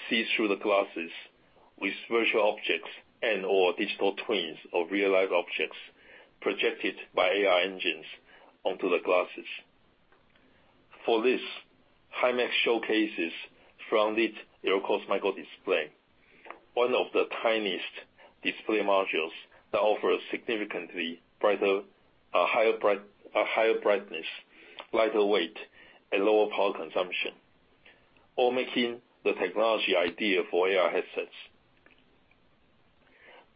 see through the glasses with virtual objects and/or digital twins of real-life objects projected by AR engines onto the glasses. For this, Himax showcases Front-lit LCoS microdisplay, one of the tiniest display modules that offers significantly higher brightness, lighter weight, and lower power consumption, all making the technology ideal for AR headsets.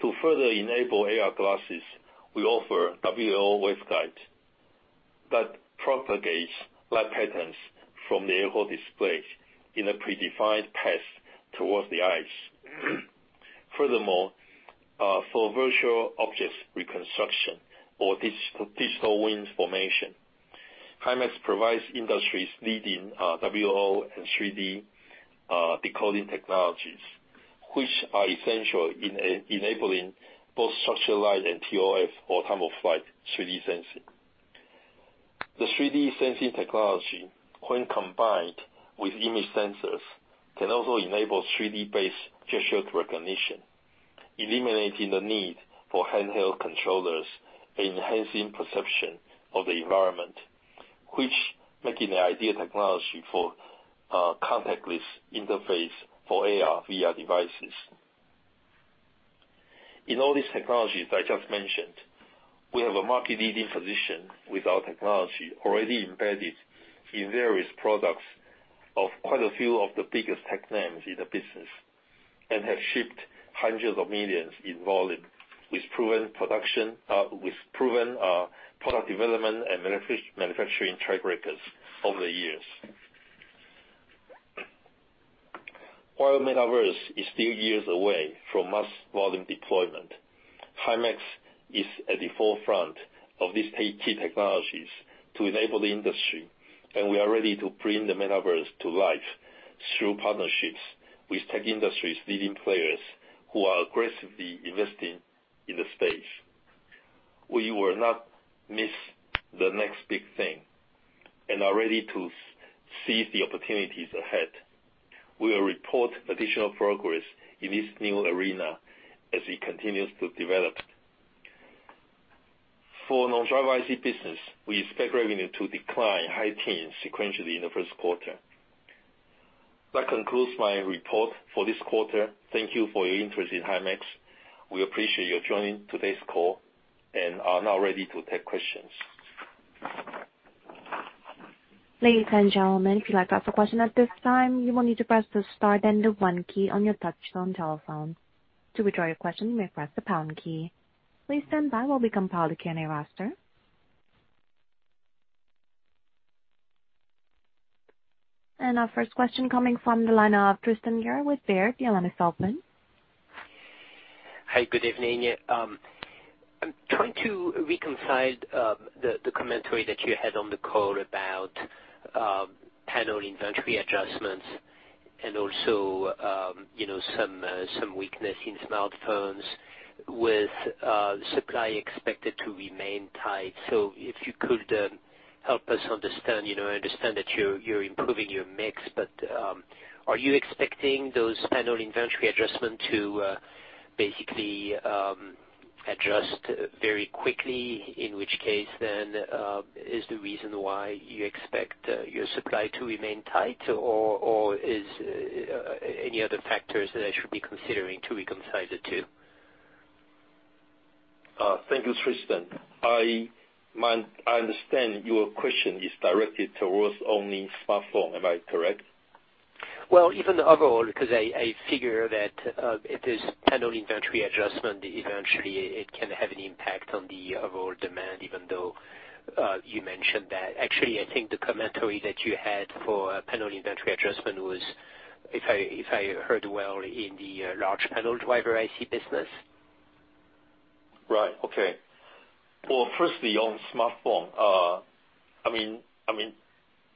To further enable AR glasses, we offer WLO waveguide that propagates light patterns from the LCoS displays in a predefined path towards the eyes. Furthermore, for virtual objects reconstruction or digital twins formation, Himax provides industry-leading WLO and 3D decoding technologies, which are essential in enabling both structured light and ToF or time of flight 3D sensing. The 3D sensing technology, when combined with image sensors, can also enable 3D-based gesture recognition, eliminating the need for handheld controllers, enhancing perception of the environment, which makes the ideal technology for contactless interface for AR/VR devices. In all these technologies I just mentioned, we have a market-leading position with our technology already embedded in various products of quite a few of the biggest tech names in the business and have shipped hundreds of millions in volume with proven production, with proven product development and manufacturing track records over the years. While Metaverse is still years away from mass volume deployment, Himax is at the forefront of these key technologies to enable the industry, and we are ready to bring the Metaverse to life through partnerships with tech industries' leading players who are aggressively investing in the space. We will not miss the next big thing and are ready to seize the opportunities ahead. We will report additional progress in this new arena as it continues to develop. For non-driver IC business, we expect revenue to decline high teens sequentially in the first quarter. That concludes my report for this quarter. Thank you for your interest in Himax. We appreciate you joining today's call and are now ready to take questions. Ladies and gentlemen, if you'd like to ask a question at this time, you will need to press the star then the one key on your touchtone telephone. To withdraw your question, you may press the pound key. Please stand by while we compile the Q&A roster. Our first question coming from the line of Tristan Gerra with Baird. Yelena Saltman. Hi, good evening. I'm trying to reconcile the commentary that you had on the call about panel inventory adjustments and also, you know, some weakness in smartphones with supply expected to remain tight. If you could help us understand, you know, I understand that you're improving your mix, but are you expecting those panel inventory adjustment to basically adjust very quickly? In which case then is the reason why you expect your supply to remain tight or is any other factors that I should be considering to reconcile the two? Thank you, Tristan. Man, I understand your question is directed towards only smartphone. Am I correct? Well, even overall, because I figure that, if there's panel inventory adjustment, eventually it can have an impact on the overall demand, even though you mentioned that. Actually, I think the commentary that you had for panel inventory adjustment was, if I heard well, in the large panel driver IC business. Right. Okay. Well, firstly, on smartphone, I mean,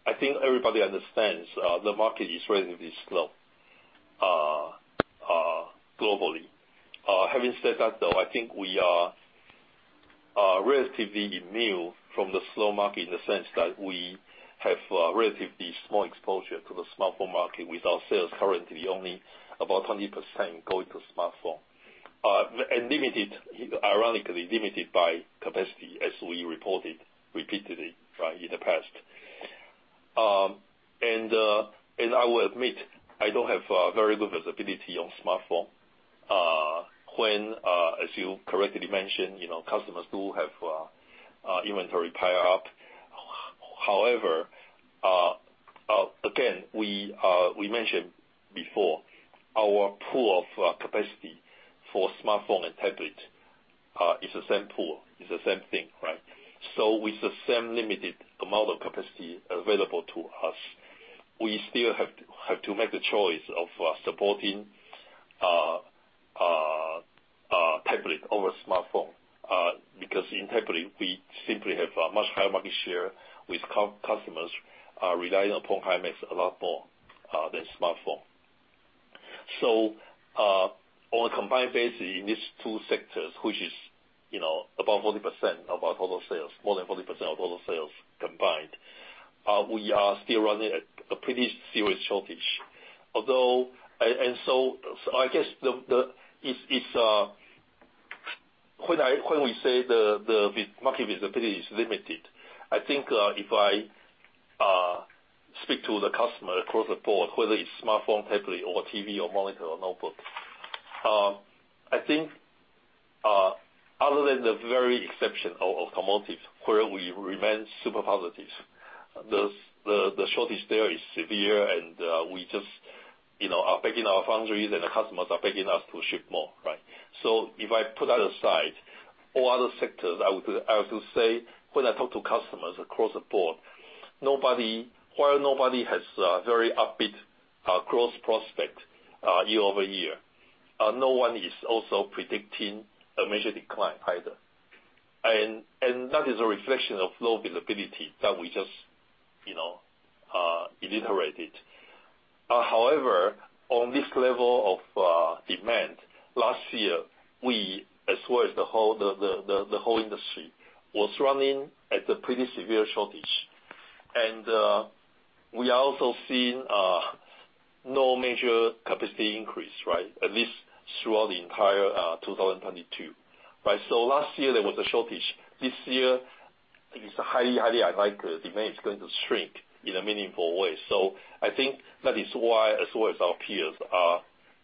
I think everybody understands the market is relatively slow globally. Having said that, though, I think we are relatively immune from the slow market in the sense that we have relatively small exposure to the smartphone market with our sales currently only about 20% going to smartphone. And limited, ironically, by capacity as we reported repeatedly, right, in the past. And I will admit, I don't have very good visibility on smartphone, as you correctly mentioned, you know, customers do have inventory tied up. However, again, we mentioned before our pool of capacity for smartphone and tablet is the same pool, is the same thing, right? With the same limited amount of capacity available to us, we still have to make the choice of supporting tablet over smartphone because in tablet we simply have a much higher market share with customers relying upon Himax a lot more than smartphone. On a combined basis in these two sectors which is, you know, above 40% of our total sales, more than 40% of total sales combined, we are still running at a pretty serious shortage. Although- -I guess it's when we say the visibility is limited. I think if I speak to the customer across the board, whether it's smartphone, tablet or TV or monitor or notebook, I think other than the very exception of automotive, where we remain super positive, the shortage there is severe, and we just, you know, are begging our foundries and the customers are begging us to ship more, right? If I put that aside, all other sectors, I would say when I talk to customers across the board, nobody has very upbeat growth prospect year-over-year, no one is also predicting a major decline either. That is a reflection of low visibility that we just, you know, reiterated. However, on this level of demand, last year, we, as well as the whole industry, was running at a pretty severe shortage. We are also seeing no major capacity increase, right? At least throughout the entire 2022, right? Last year there was a shortage. This year is highly unlikely demand is going to shrink in a meaningful way. I think that is why as well as our peers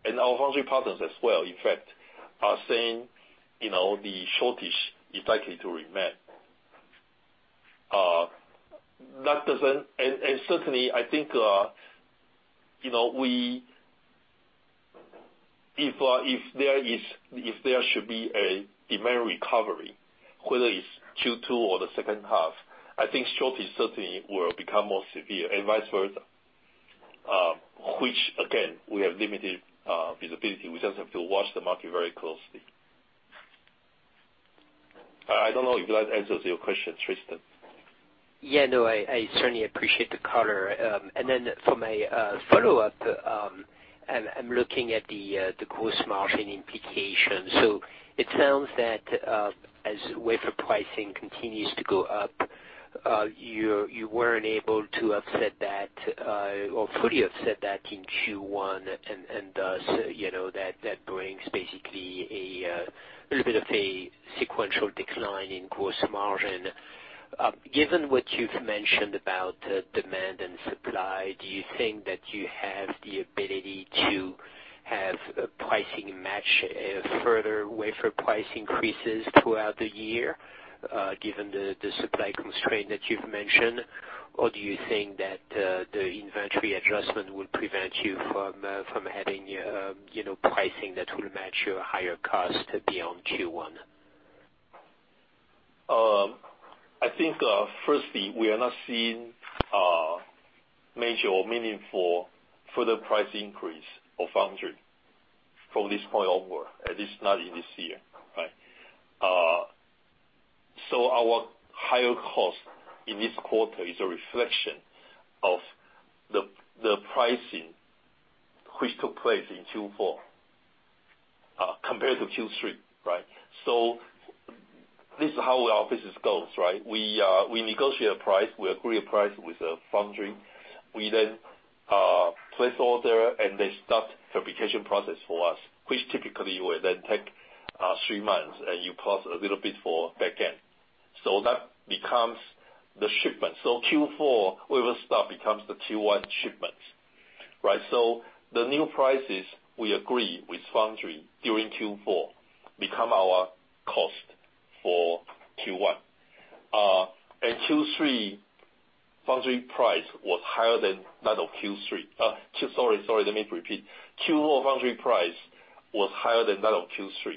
and our foundry partners as well, in fact, are saying, you know, the shortage is likely to remain. That doesn't. Certainly I think, you know, we. If there is, if there should be a demand recovery, whether it's Q2 or the second half, I think shortage certainly will become more severe and vice versa. which again, we have limited visibility. We just have to watch the market very closely. I don't know if that answers your question, Tristan. Yeah. No, I certainly appreciate the color. Then for my follow-up, I'm looking at the gross margin implication. It sounds that as wafer pricing continues to go up, you weren't able to offset that or fully offset that in Q1. Thus, you know, that brings basically a little bit of a sequential decline in gross margin. Given what you've mentioned about demand and supply, do you think that you have the ability to have pricing match further wafer price increases throughout the year, given the supply constraint that you've mentioned? Or do you think that the inventory adjustment will prevent you from having, you know, pricing that will match your higher cost beyond Q1? I think, firstly, we are not seeing major or meaningful further price increase of foundry from this point onward, at least not in this year, right? Our higher cost in this quarter is a reflection of the pricing which took place in Q4 compared to Q3, right? This is how our business goes, right? We negotiate a price. We agree a price with the foundry. We then place order and they start fabrication process for us, which typically will then take three months and usually plus a little bit for back end. That becomes the shipment. The new prices we agree with foundry during Q4 become our cost for Q1. Q4 foundry price was higher than that of Q3. Sorry, let me repeat. Q4 foundry price was higher than that of Q3,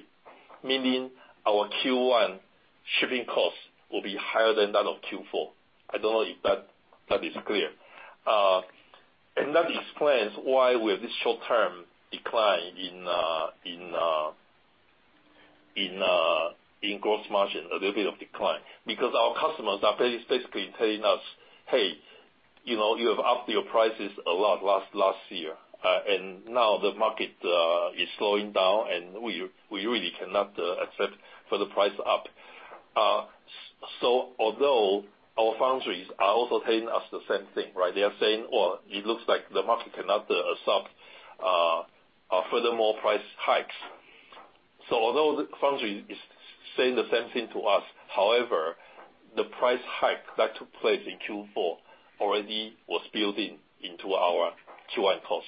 meaning our Q1 shipping costs will be higher than that of Q4. I don't know if that is clear. That explains why we have this short-term decline in gross margin, a little bit of decline. Because our customers are basically telling us, "Hey, you know, you have upped your prices a lot last year, and now the market is slowing down and we really cannot accept further price up." So although our foundries are also telling us the same thing, right? They are saying, "Well, it looks like the market cannot absorb further price hikes." Although the foundry is saying the same thing to us, however, the price hike that took place in Q4 already was built into our Q1 cost.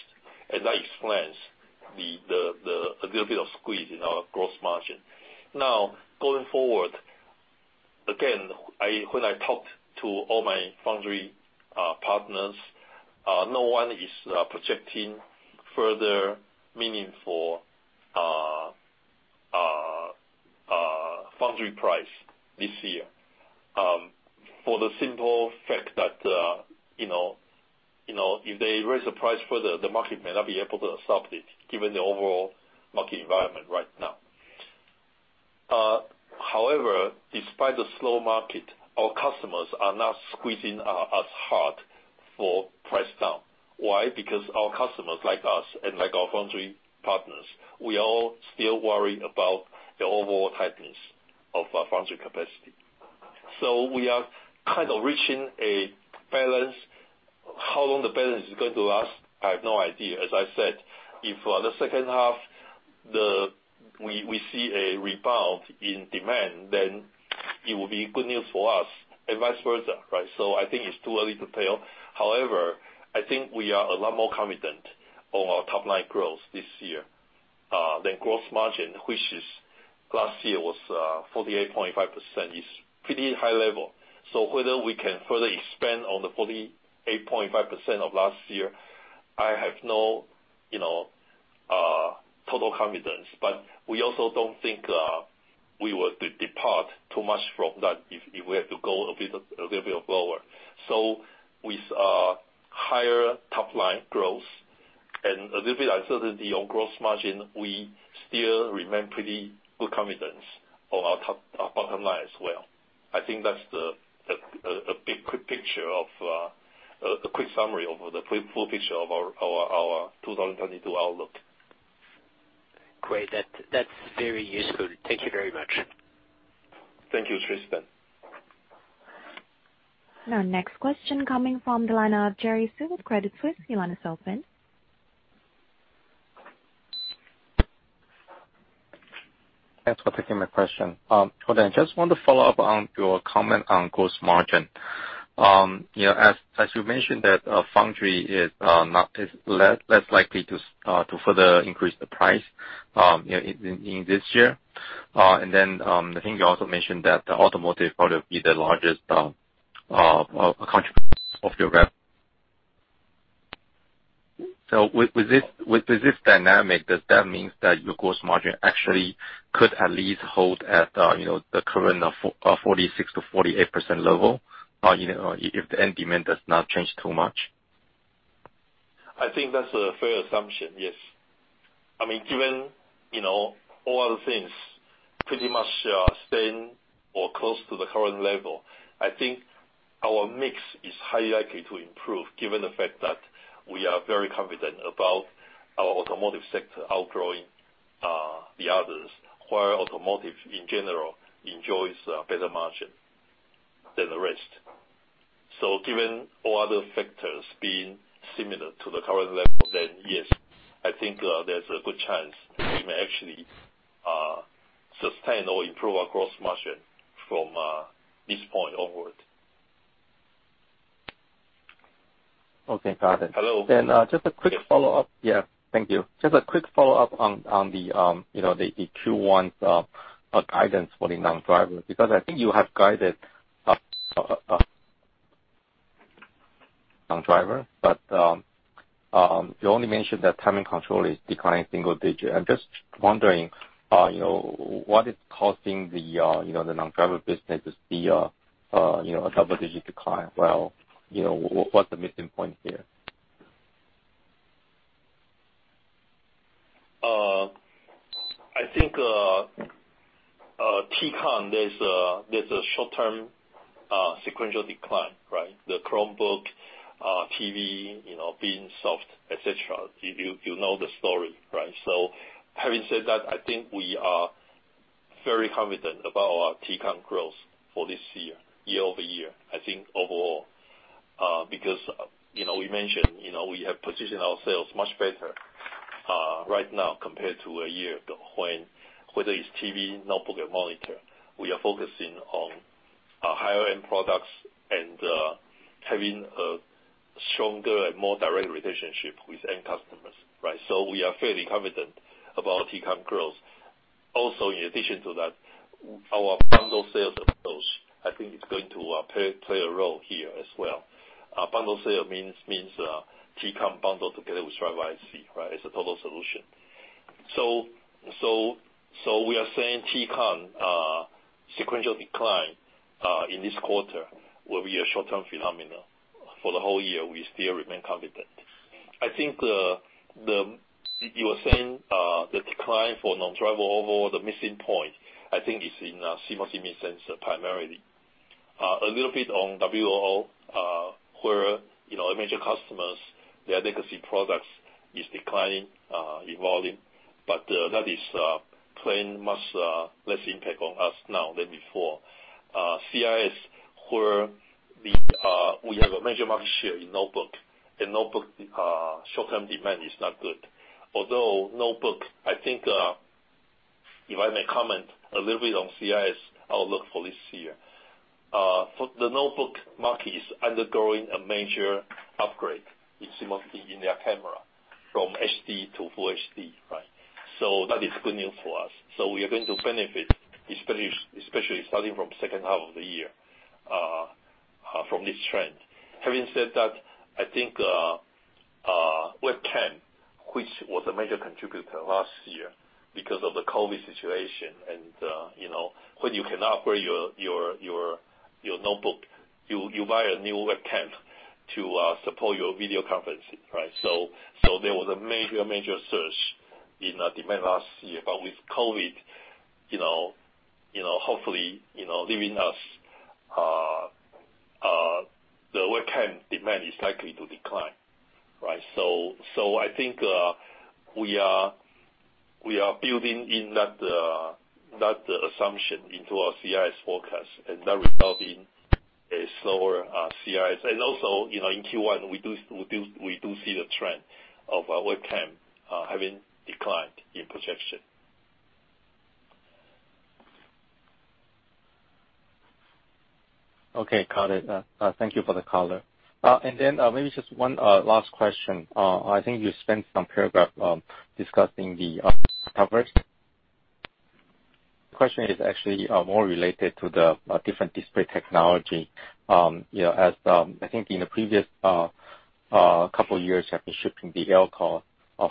That explains a little bit of squeeze in our gross margin. Now, going forward, again, when I talked to all my foundry partners, no one is projecting further meaningful foundry price hikes this year, for the simple fact that, you know, if they raise the price further, the market may not be able to absorb it given the overall market environment right now. However, despite the slow market, our customers are not squeezing us hard for price down. Why? Because our customers like us and like our foundry partners, we all still worry about the overall tightness of our foundry capacity. We are kind of reaching a balance. How long the balance is going to last, I have no idea. As I said, if for the second half we see a rebound in demand, then it will be good news for us and vice versa, right? I think it's too early to tell. However, I think we are a lot more confident on our top-line growth this year than gross margin, which is last year was 48.5%. It's pretty high level. Whether we can further expand on the 48.5% of last year, I have no, you know, total confidence. We also don't think we would depart too much from that if we have to go a bit, a little bit lower. With higher top line growth and a little bit uncertainty on gross margin, we still remain pretty good confidence on our bottom line as well. I think that's the big picture, a quick summary of the full picture of our 2022 outlook. Great. That's very useful. Thank you very much. Thank you, Tristan. Our next question coming from the line of Jerry Su with Credit Suisse. Your line is open. Thanks for taking my question. Jordan Wu, I just want to follow-up on your comment on gross margin. You know, as you mentioned that foundry is less likely to further increase the price, you know, in this year. I think you also mentioned that the automotive product would be the largest contributor of your rev. With this dynamic, does that means that your gross margin actually could at least hold at, you know, the current 46%-48% level, you know, if the end demand does not change too much? I think that's a fair assumption, yes. I mean, given, you know, all other things pretty much staying or close to the current level, I think our mix is highly likely to improve given the fact that we are very confident about our automotive sector outgrowing the others, while automotive in general enjoys better margin than the rest. Given all other factors being similar to the current level, then yes, I think, there's a good chance we may actually sustain or improve our gross margin from this point onward. Okay. Got it. Hello? Just a quick follow-up. Yeah, thank you. Just a quick follow-up on the Q1's guidance for the non-driver, because I think you have guided non-driver, but you only mentioned that timing controller is declining single-digit. I'm just wondering, you know, what is causing the non-driver business to see a double-digit decline? Well, you know, what's the missing point here? I think Tcon, there's a short-term sequential decline, right? The Chromebook, TV, you know, being soft, et cetera. You know the story, right? Having said that, I think we are very confident about our Tcon growth for this year-over-year, I think overall. Because, you know, we mentioned, you know, we have positioned ourselves much better, right now compared to a year ago, when whether it's TV, notebook, or monitor, we are focusing on our higher-end products and, having a stronger and more direct relationship with end customers, right? We are fairly confident about Tcon growth. Also, in addition to that, our bundle sales of those, I think it's going to play a role here as well. Our bundle sale means Tcon bundled together with driver IC, right? It's a total solution. We are saying Tcon sequential decline in this quarter will be a short-term phenomenon. For the whole year, we still remain confident. I think you are saying the decline for non-driver overall. The missing point, I think, is in CMOS image sensor primarily. A little bit on WLO, where, you know, our major customers, their legacy products is declining in volume, but that is playing much less impact on us now than before. CIS. We have a major market share in notebook, and notebook short-term demand is not good. Although notebook, I think, if I may comment a little bit on CIS outlook for this year. For the notebook market is undergoing a major upgrade in resolution in their camera from HD to full HD, right? That is good news for us. We are going to benefit, especially starting from second half of the year, from this trend. Having said that, I think webcam, which was a major contributor last year because of the COVID situation and, you know, when you cannot bring your notebook, you buy a new webcam to support your video conferencing, right? I think we are building in that assumption into our CIS forecast and that result in a slower CIS. Also, you know, in Q1, we do see the trend of our webcam having declined in projection. Okay. Got it. Thank you for the color. Maybe just one last question. I think you spent some paragraph discussing the coverage. Question is actually more related to the different display technology. You know, as I think in the previous couple years have been shipping the LCoS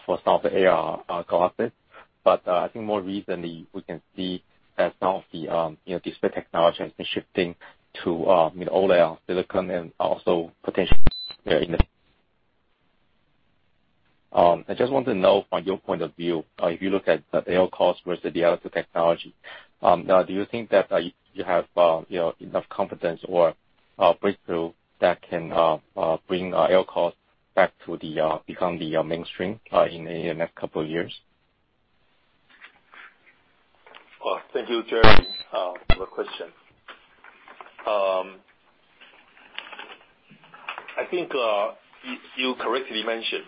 for some of the AR glasses. I think more recently we can see that some of the, you know, display technology has been shifting to, you know, OLED-on-silicon, and also potentially. I just want to know from your point of view, if you look at the LCoS versus the other two technology, now do you think that you have, you know, enough confidence or breakthrough that can bring LCoS back to become the mainstream in the next couple of years? Well, thank you, Jerry, for the question. I think you correctly mentioned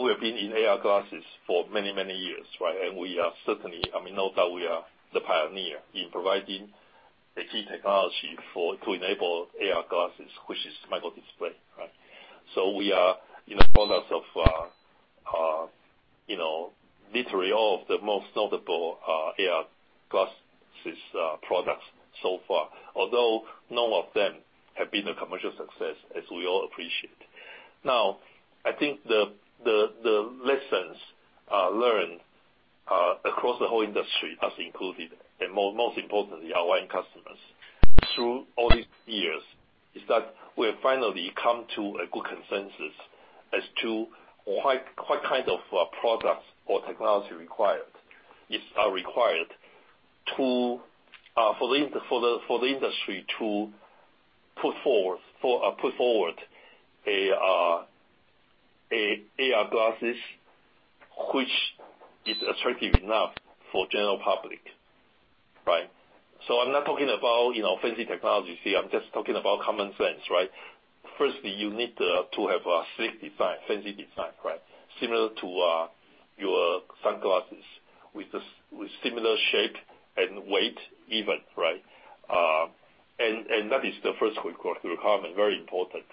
we have been in AR glasses for many, many years, right? We are certainly, I mean, we know that we are the pioneer in providing the key technology to enable AR glasses, which is microdisplay, right? We are in the process of, you know, literally all of the most notable AR glasses products so far. Although none of them have been a commercial success, as we all appreciate. Now, I think the lessons learned across the whole industry, us included, and most importantly, our own customers through all these years, is that we have finally come to a good consensus as to what kind of products or technology required are required for the industry to put forward a AR glasses which is attractive enough for general public, right? I'm not talking about, you know, fancy technology here, I'm just talking about common sense, right? Firstly, you need to have a sleek design, fancy design, right? Similar to your sunglasses with similar shape and weight even, right? That is the first requirement. Very important.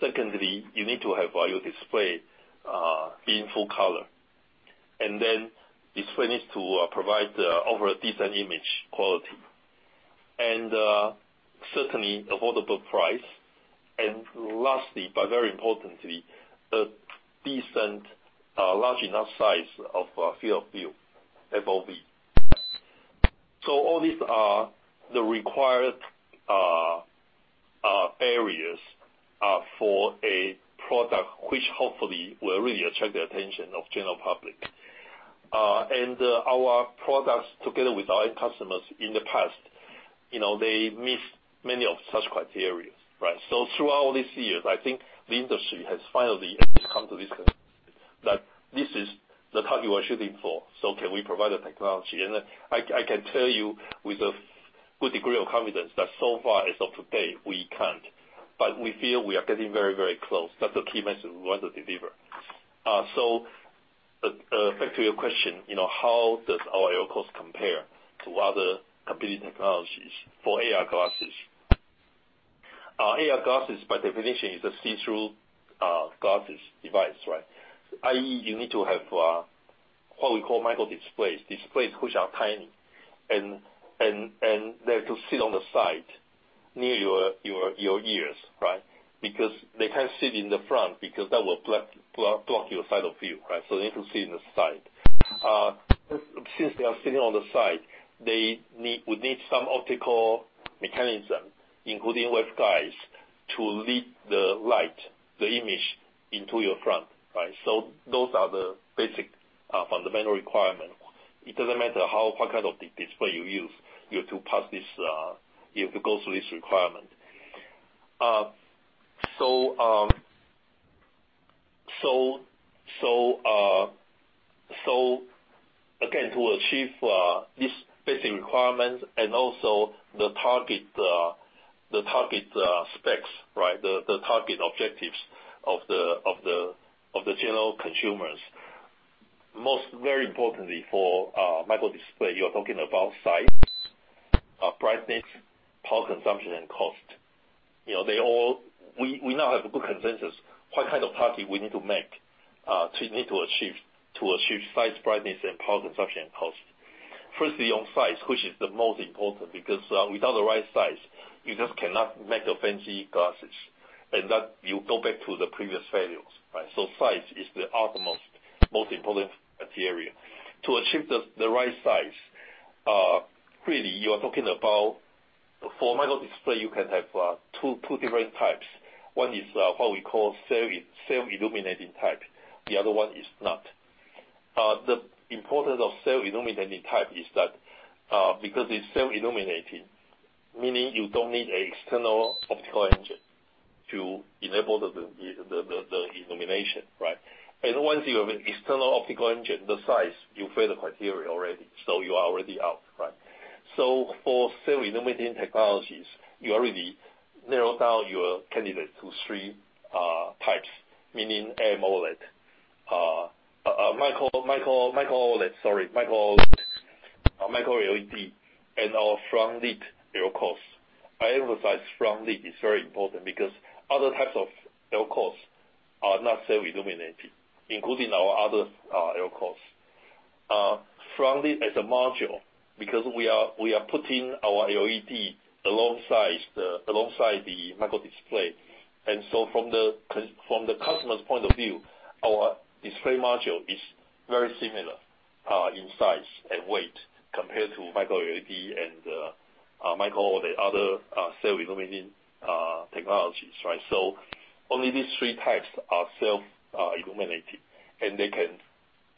Secondly, you need to have your display in full color. Then display needs to provide a decent image quality. Certainly affordable price. Lastly, but very importantly, a decent large enough size of field of view, FOV. All these are the required areas for a product which hopefully will really attract the attention of general public. Our products together with our own customers in the past, you know, they missed many of such criteria, right? Throughout all these years, I think the industry has finally come to this conclusion, that this is the target we're shooting for. Can we provide the technology? I can tell you with a good degree of confidence that so far, as of today, we can't. We feel we are getting very, very close. That's the key message we want to deliver. Back to your question, you know, how does our LCoS compare to other competing technologies for AR glasses? AR glasses, by definition, is a see-through glasses device, right? i.e. you need to have what we call microdisplays. Displays which are tiny and they're to sit on the side near your ears, right? Because they can't sit in the front because that will block your side of view, right? They have to sit in the side. Since they are sitting on the side, they need, we need some optical mechanism, including waveguides, to lead the light, the image into your front, right? Those are the basic fundamental requirement. It doesn't matter how, what kind of display you use. You have to pass this, you have to go through this requirement. To achieve this basic requirements and also the target specs, right? The target objectives of the general consumers. Most very importantly for micro display, you are talking about size, brightness, power consumption, and cost. You know, they all. We now have a good consensus what kind of target we need to make to achieve size, brightness, and power consumption, and cost. Firstly, on size, which is the most important because without the right size, you just cannot make a fancy glasses, and that you go back to the previous failures, right? Size is the utmost important criteria. To achieve the right size, really you are talking about for micro display, you can have two different types. One is what we call self-illuminating type, the other one is not. The importance of self-illuminating type is that because it's self-illuminating, meaning you don't need external optical engine to enable the illumination, right? Once you have an external optical engine, the size, you fail the criteria already. You are already out, right? For self-illuminating technologies, you already narrow down your candidate to three types, meaning AMOLED, micro OLED, micro LED, and our Front-lit LCoS. I emphasize Front-lit is very important because other types of LCoS are not self-illuminating, including our other LCoS. Front-lit as a module because we are putting our LED alongside the micro display. From the customer's point of view, our display module is very similar in size and weight compared to micro LED and micro OLED or the other self-illuminating technologies, right? Only these three types are self-illuminated, and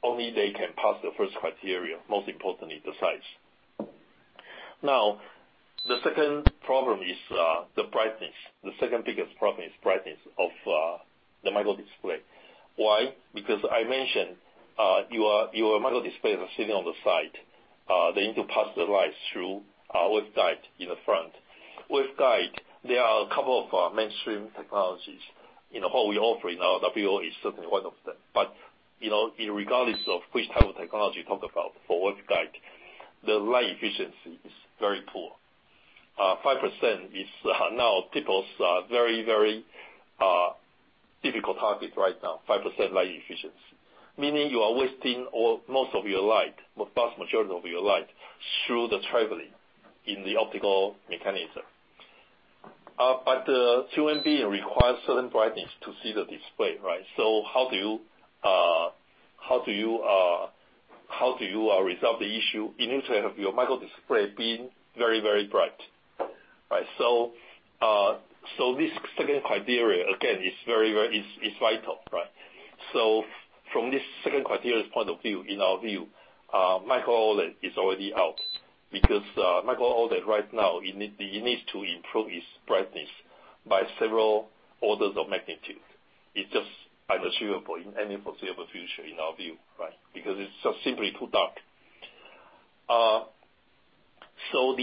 only they can pass the first criteria, most importantly the size. Now, the second problem is the brightness. The second biggest problem is brightness of the micro display. Why? Because I mentioned your micro displays are sitting on the side. They need to pass the light through waveguide in the front. Waveguide, there are a couple of mainstream technologies. You know, what we offering now, the WLO is certainly one of them. You know, irregardless of which type of technology you talk about for waveguide, the light efficiency is very poor. 5% is now people's very difficult target right now, 5% light efficiency. Meaning you are wasting almost all of your light, vast majority of your light, through the traveling in the optical mechanism. Human being requires certain brightness to see the display, right? How do you resolve the issue in terms of your micro display being very bright? Right. This second criteria again is very vital, right? From this second criteria's point of view, in our view, micro OLED is already out because micro OLED right now it needs to improve its brightness by several orders of magnitude. It's just unachievable in any foreseeable future in our view, right? Because it's just simply too dark. So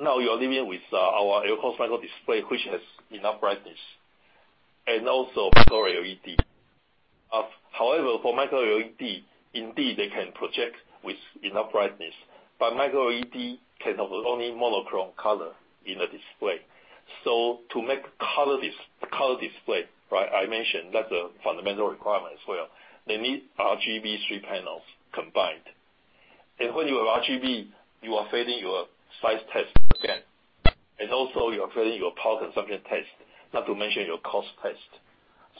now you're living with our LCoS microdisplay, which has enough brightness and also micro LED. However, for micro LED, indeed they can project with enough brightness, but micro LED can have only monochrome color in the display. So to make color display, right, I mentioned that's a fundamental requirement as well, they need RGB three panels combined. When you have RGB, you are failing your size test again, and also you're failing your power consumption test, not to mention your cost test.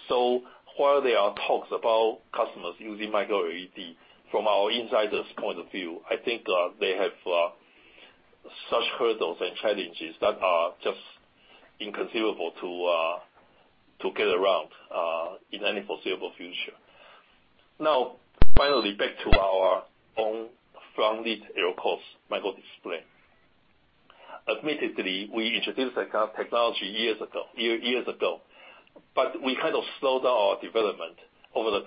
While there are talks about customers using micro LED, from our insider's point of view, I think, they have such hurdles and challenges that are just inconceivable to get around in any foreseeable future. Now finally, back to our own Front-lit LCoS microdisplay. Admittedly, we introduced that kind of technology years ago, but we kind of slowed down our development over the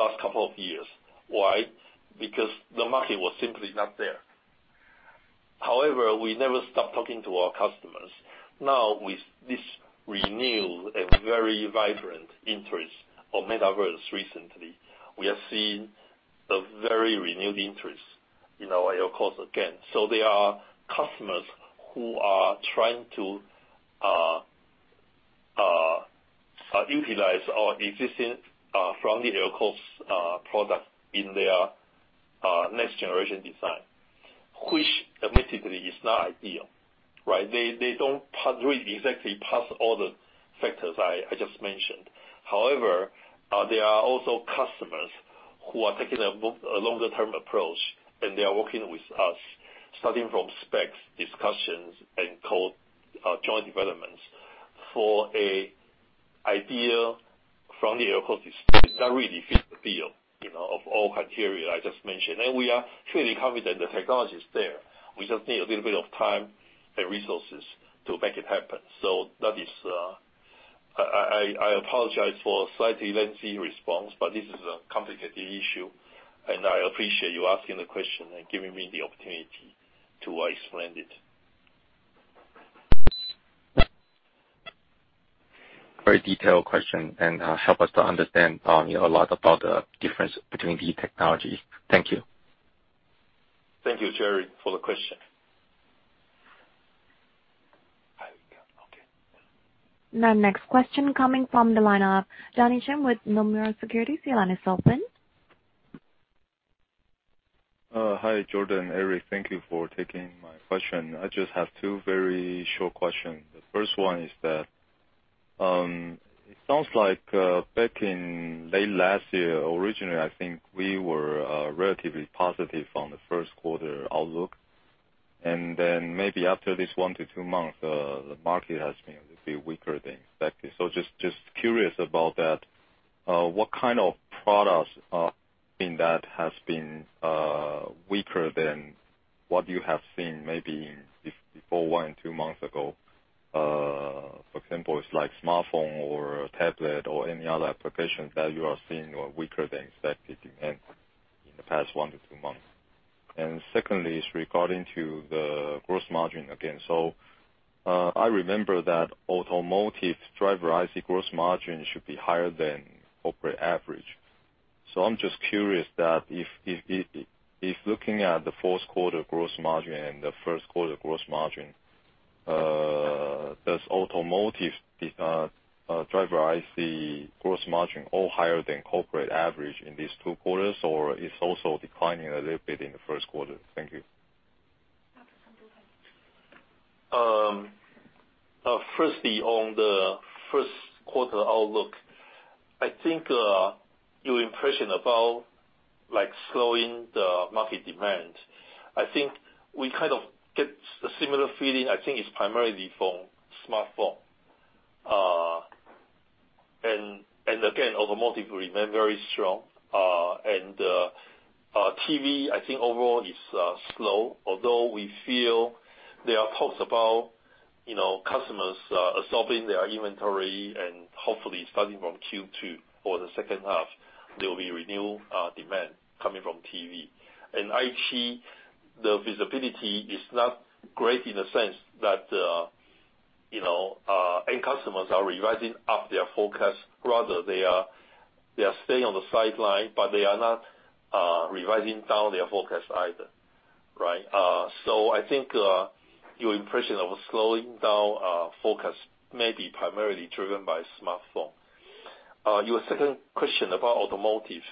last couple of years. Why? Because the market was simply not there. However, we never stopped talking to our customers. Now with this renewed and very vibrant interest in Metaverse recently, we have seen a very renewed interest in our LCoS again. There are customers who are trying to utilize our existing Front-lit LCoS product in their next generation design, which admittedly is not ideal, right? They don't really exactly pass all the factors I just mentioned. However, there are also customers who are taking a longer-term approach, and they are working with us starting from specs, discussions, and joint developments for an ideal Front-lit LCoS display that really fits the bill, you know, of all criteria I just mentioned. We are truly confident the technology is there. We just need a little bit of time and resources to make it happen. I apologize for slightly lengthy response, but this is a complicated issue, and I appreciate you asking the question and giving me the opportunity to explain it. Very detailed question and help us to understand, you know, a lot about the difference between the technology. Thank you. Thank you, Jerry, for the question. Okay. The next question coming from the line of Donnie Teng with Nomura Securities. Your line is open. Hi, Jordan and Eric. Thank you for taking my question. I just have two very short questions. The first one is that, it sounds like, back in late last year, originally, I think we were, relatively positive on the first quarter outlook. Maybe after this one to two months, the market has been a bit weaker than expected. Just curious about that. What kind of products that have been weaker than what you have seen maybe before one to two months ago? For example, it's like smartphone or tablet or any other applications that you are seeing are weaker than expected demand in the past one to two months. Secondly, it's regarding to the gross margin again. I remember that automotive driver IC gross margin should be higher than corporate average. I'm just curious that if looking at the fourth quarter gross margin and the first quarter gross margin, does automotive driver IC gross margin all higher than corporate average in these two quarters or is also declining a little bit in the first quarter? Thank you. Firstly, on the first quarter outlook, I think your impression about, like, slowing the market demand, I think we kind of get a similar feeling. I think it's primarily from smartphone. Again, automotive remain very strong. Our TV, I think overall is slow, although we feel there are talks about, you know, customers absorbing their inventory and hopefully starting from Q2 or the second half, there will be renewed demand coming from TV. In IT, the visibility is not great in the sense that, you know, end customers are revising up their forecast. Rather, they are staying on the sidelines, but they are not revising down their forecast either, right? I think your impression of a slowing down forecast may be primarily driven by smartphone. Your second question about automotive.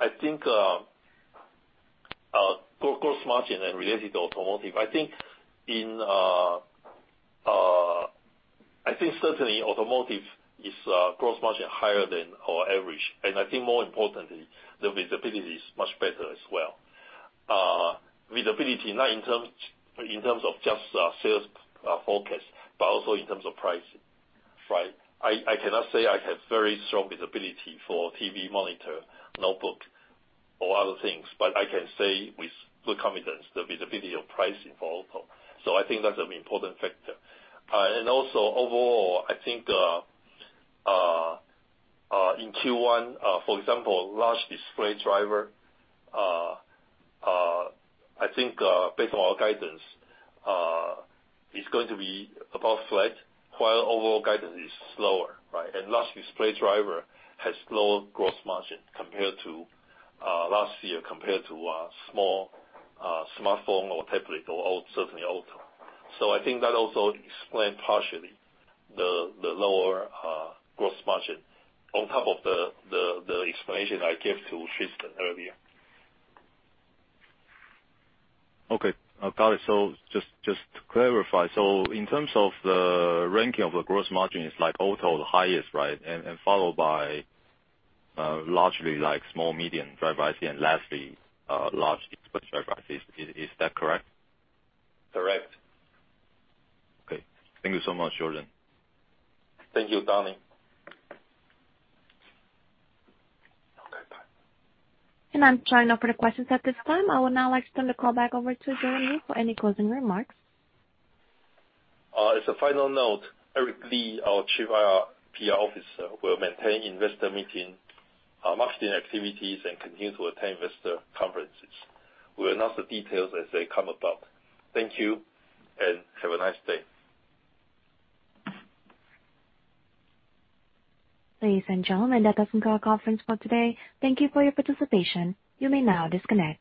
I think gross margin related to automotive. I think certainly automotive is gross margin higher than our average, and I think more importantly, the visibility is much better as well. Visibility not in terms of just sales forecast, but also in terms of pricing. Right? I cannot say I have very strong visibility for TV, monitor, notebook or other things, but I can say with good confidence the visibility of pricing for auto. I think that's an important factor. Also overall, I think in Q1, for example, large display driver based on our guidance is going to be above flat while overall guidance is slower, right? Large display driver has lower gross margin compared to last year, compared to small smartphone or tablet or certainly auto. I think that also explain partially the lower gross margin on top of the explanation I gave to Tristan earlier. Okay. Got it. Just to clarify. In terms of the ranking of the gross margin, it's like auto the highest, right? And followed by largely like small medium driver IC and lastly large display driver IC. Is that correct? Correct. Okay. Thank you so much, Jordan. Thank you, Donnie. Okay, bye. I'm showing no further questions at this time. I would now like to turn the call back over to Jordan Wu for any closing remarks. As a final note, Eric Li, our Chief IR/PR Officer, will maintain investor meeting, marketing activities and continue to attend investor conferences. We'll announce the details as they come about. Thank you, and have a nice day. Ladies and gentlemen, that does conclude our conference for today. Thank you for your participation. You may now disconnect.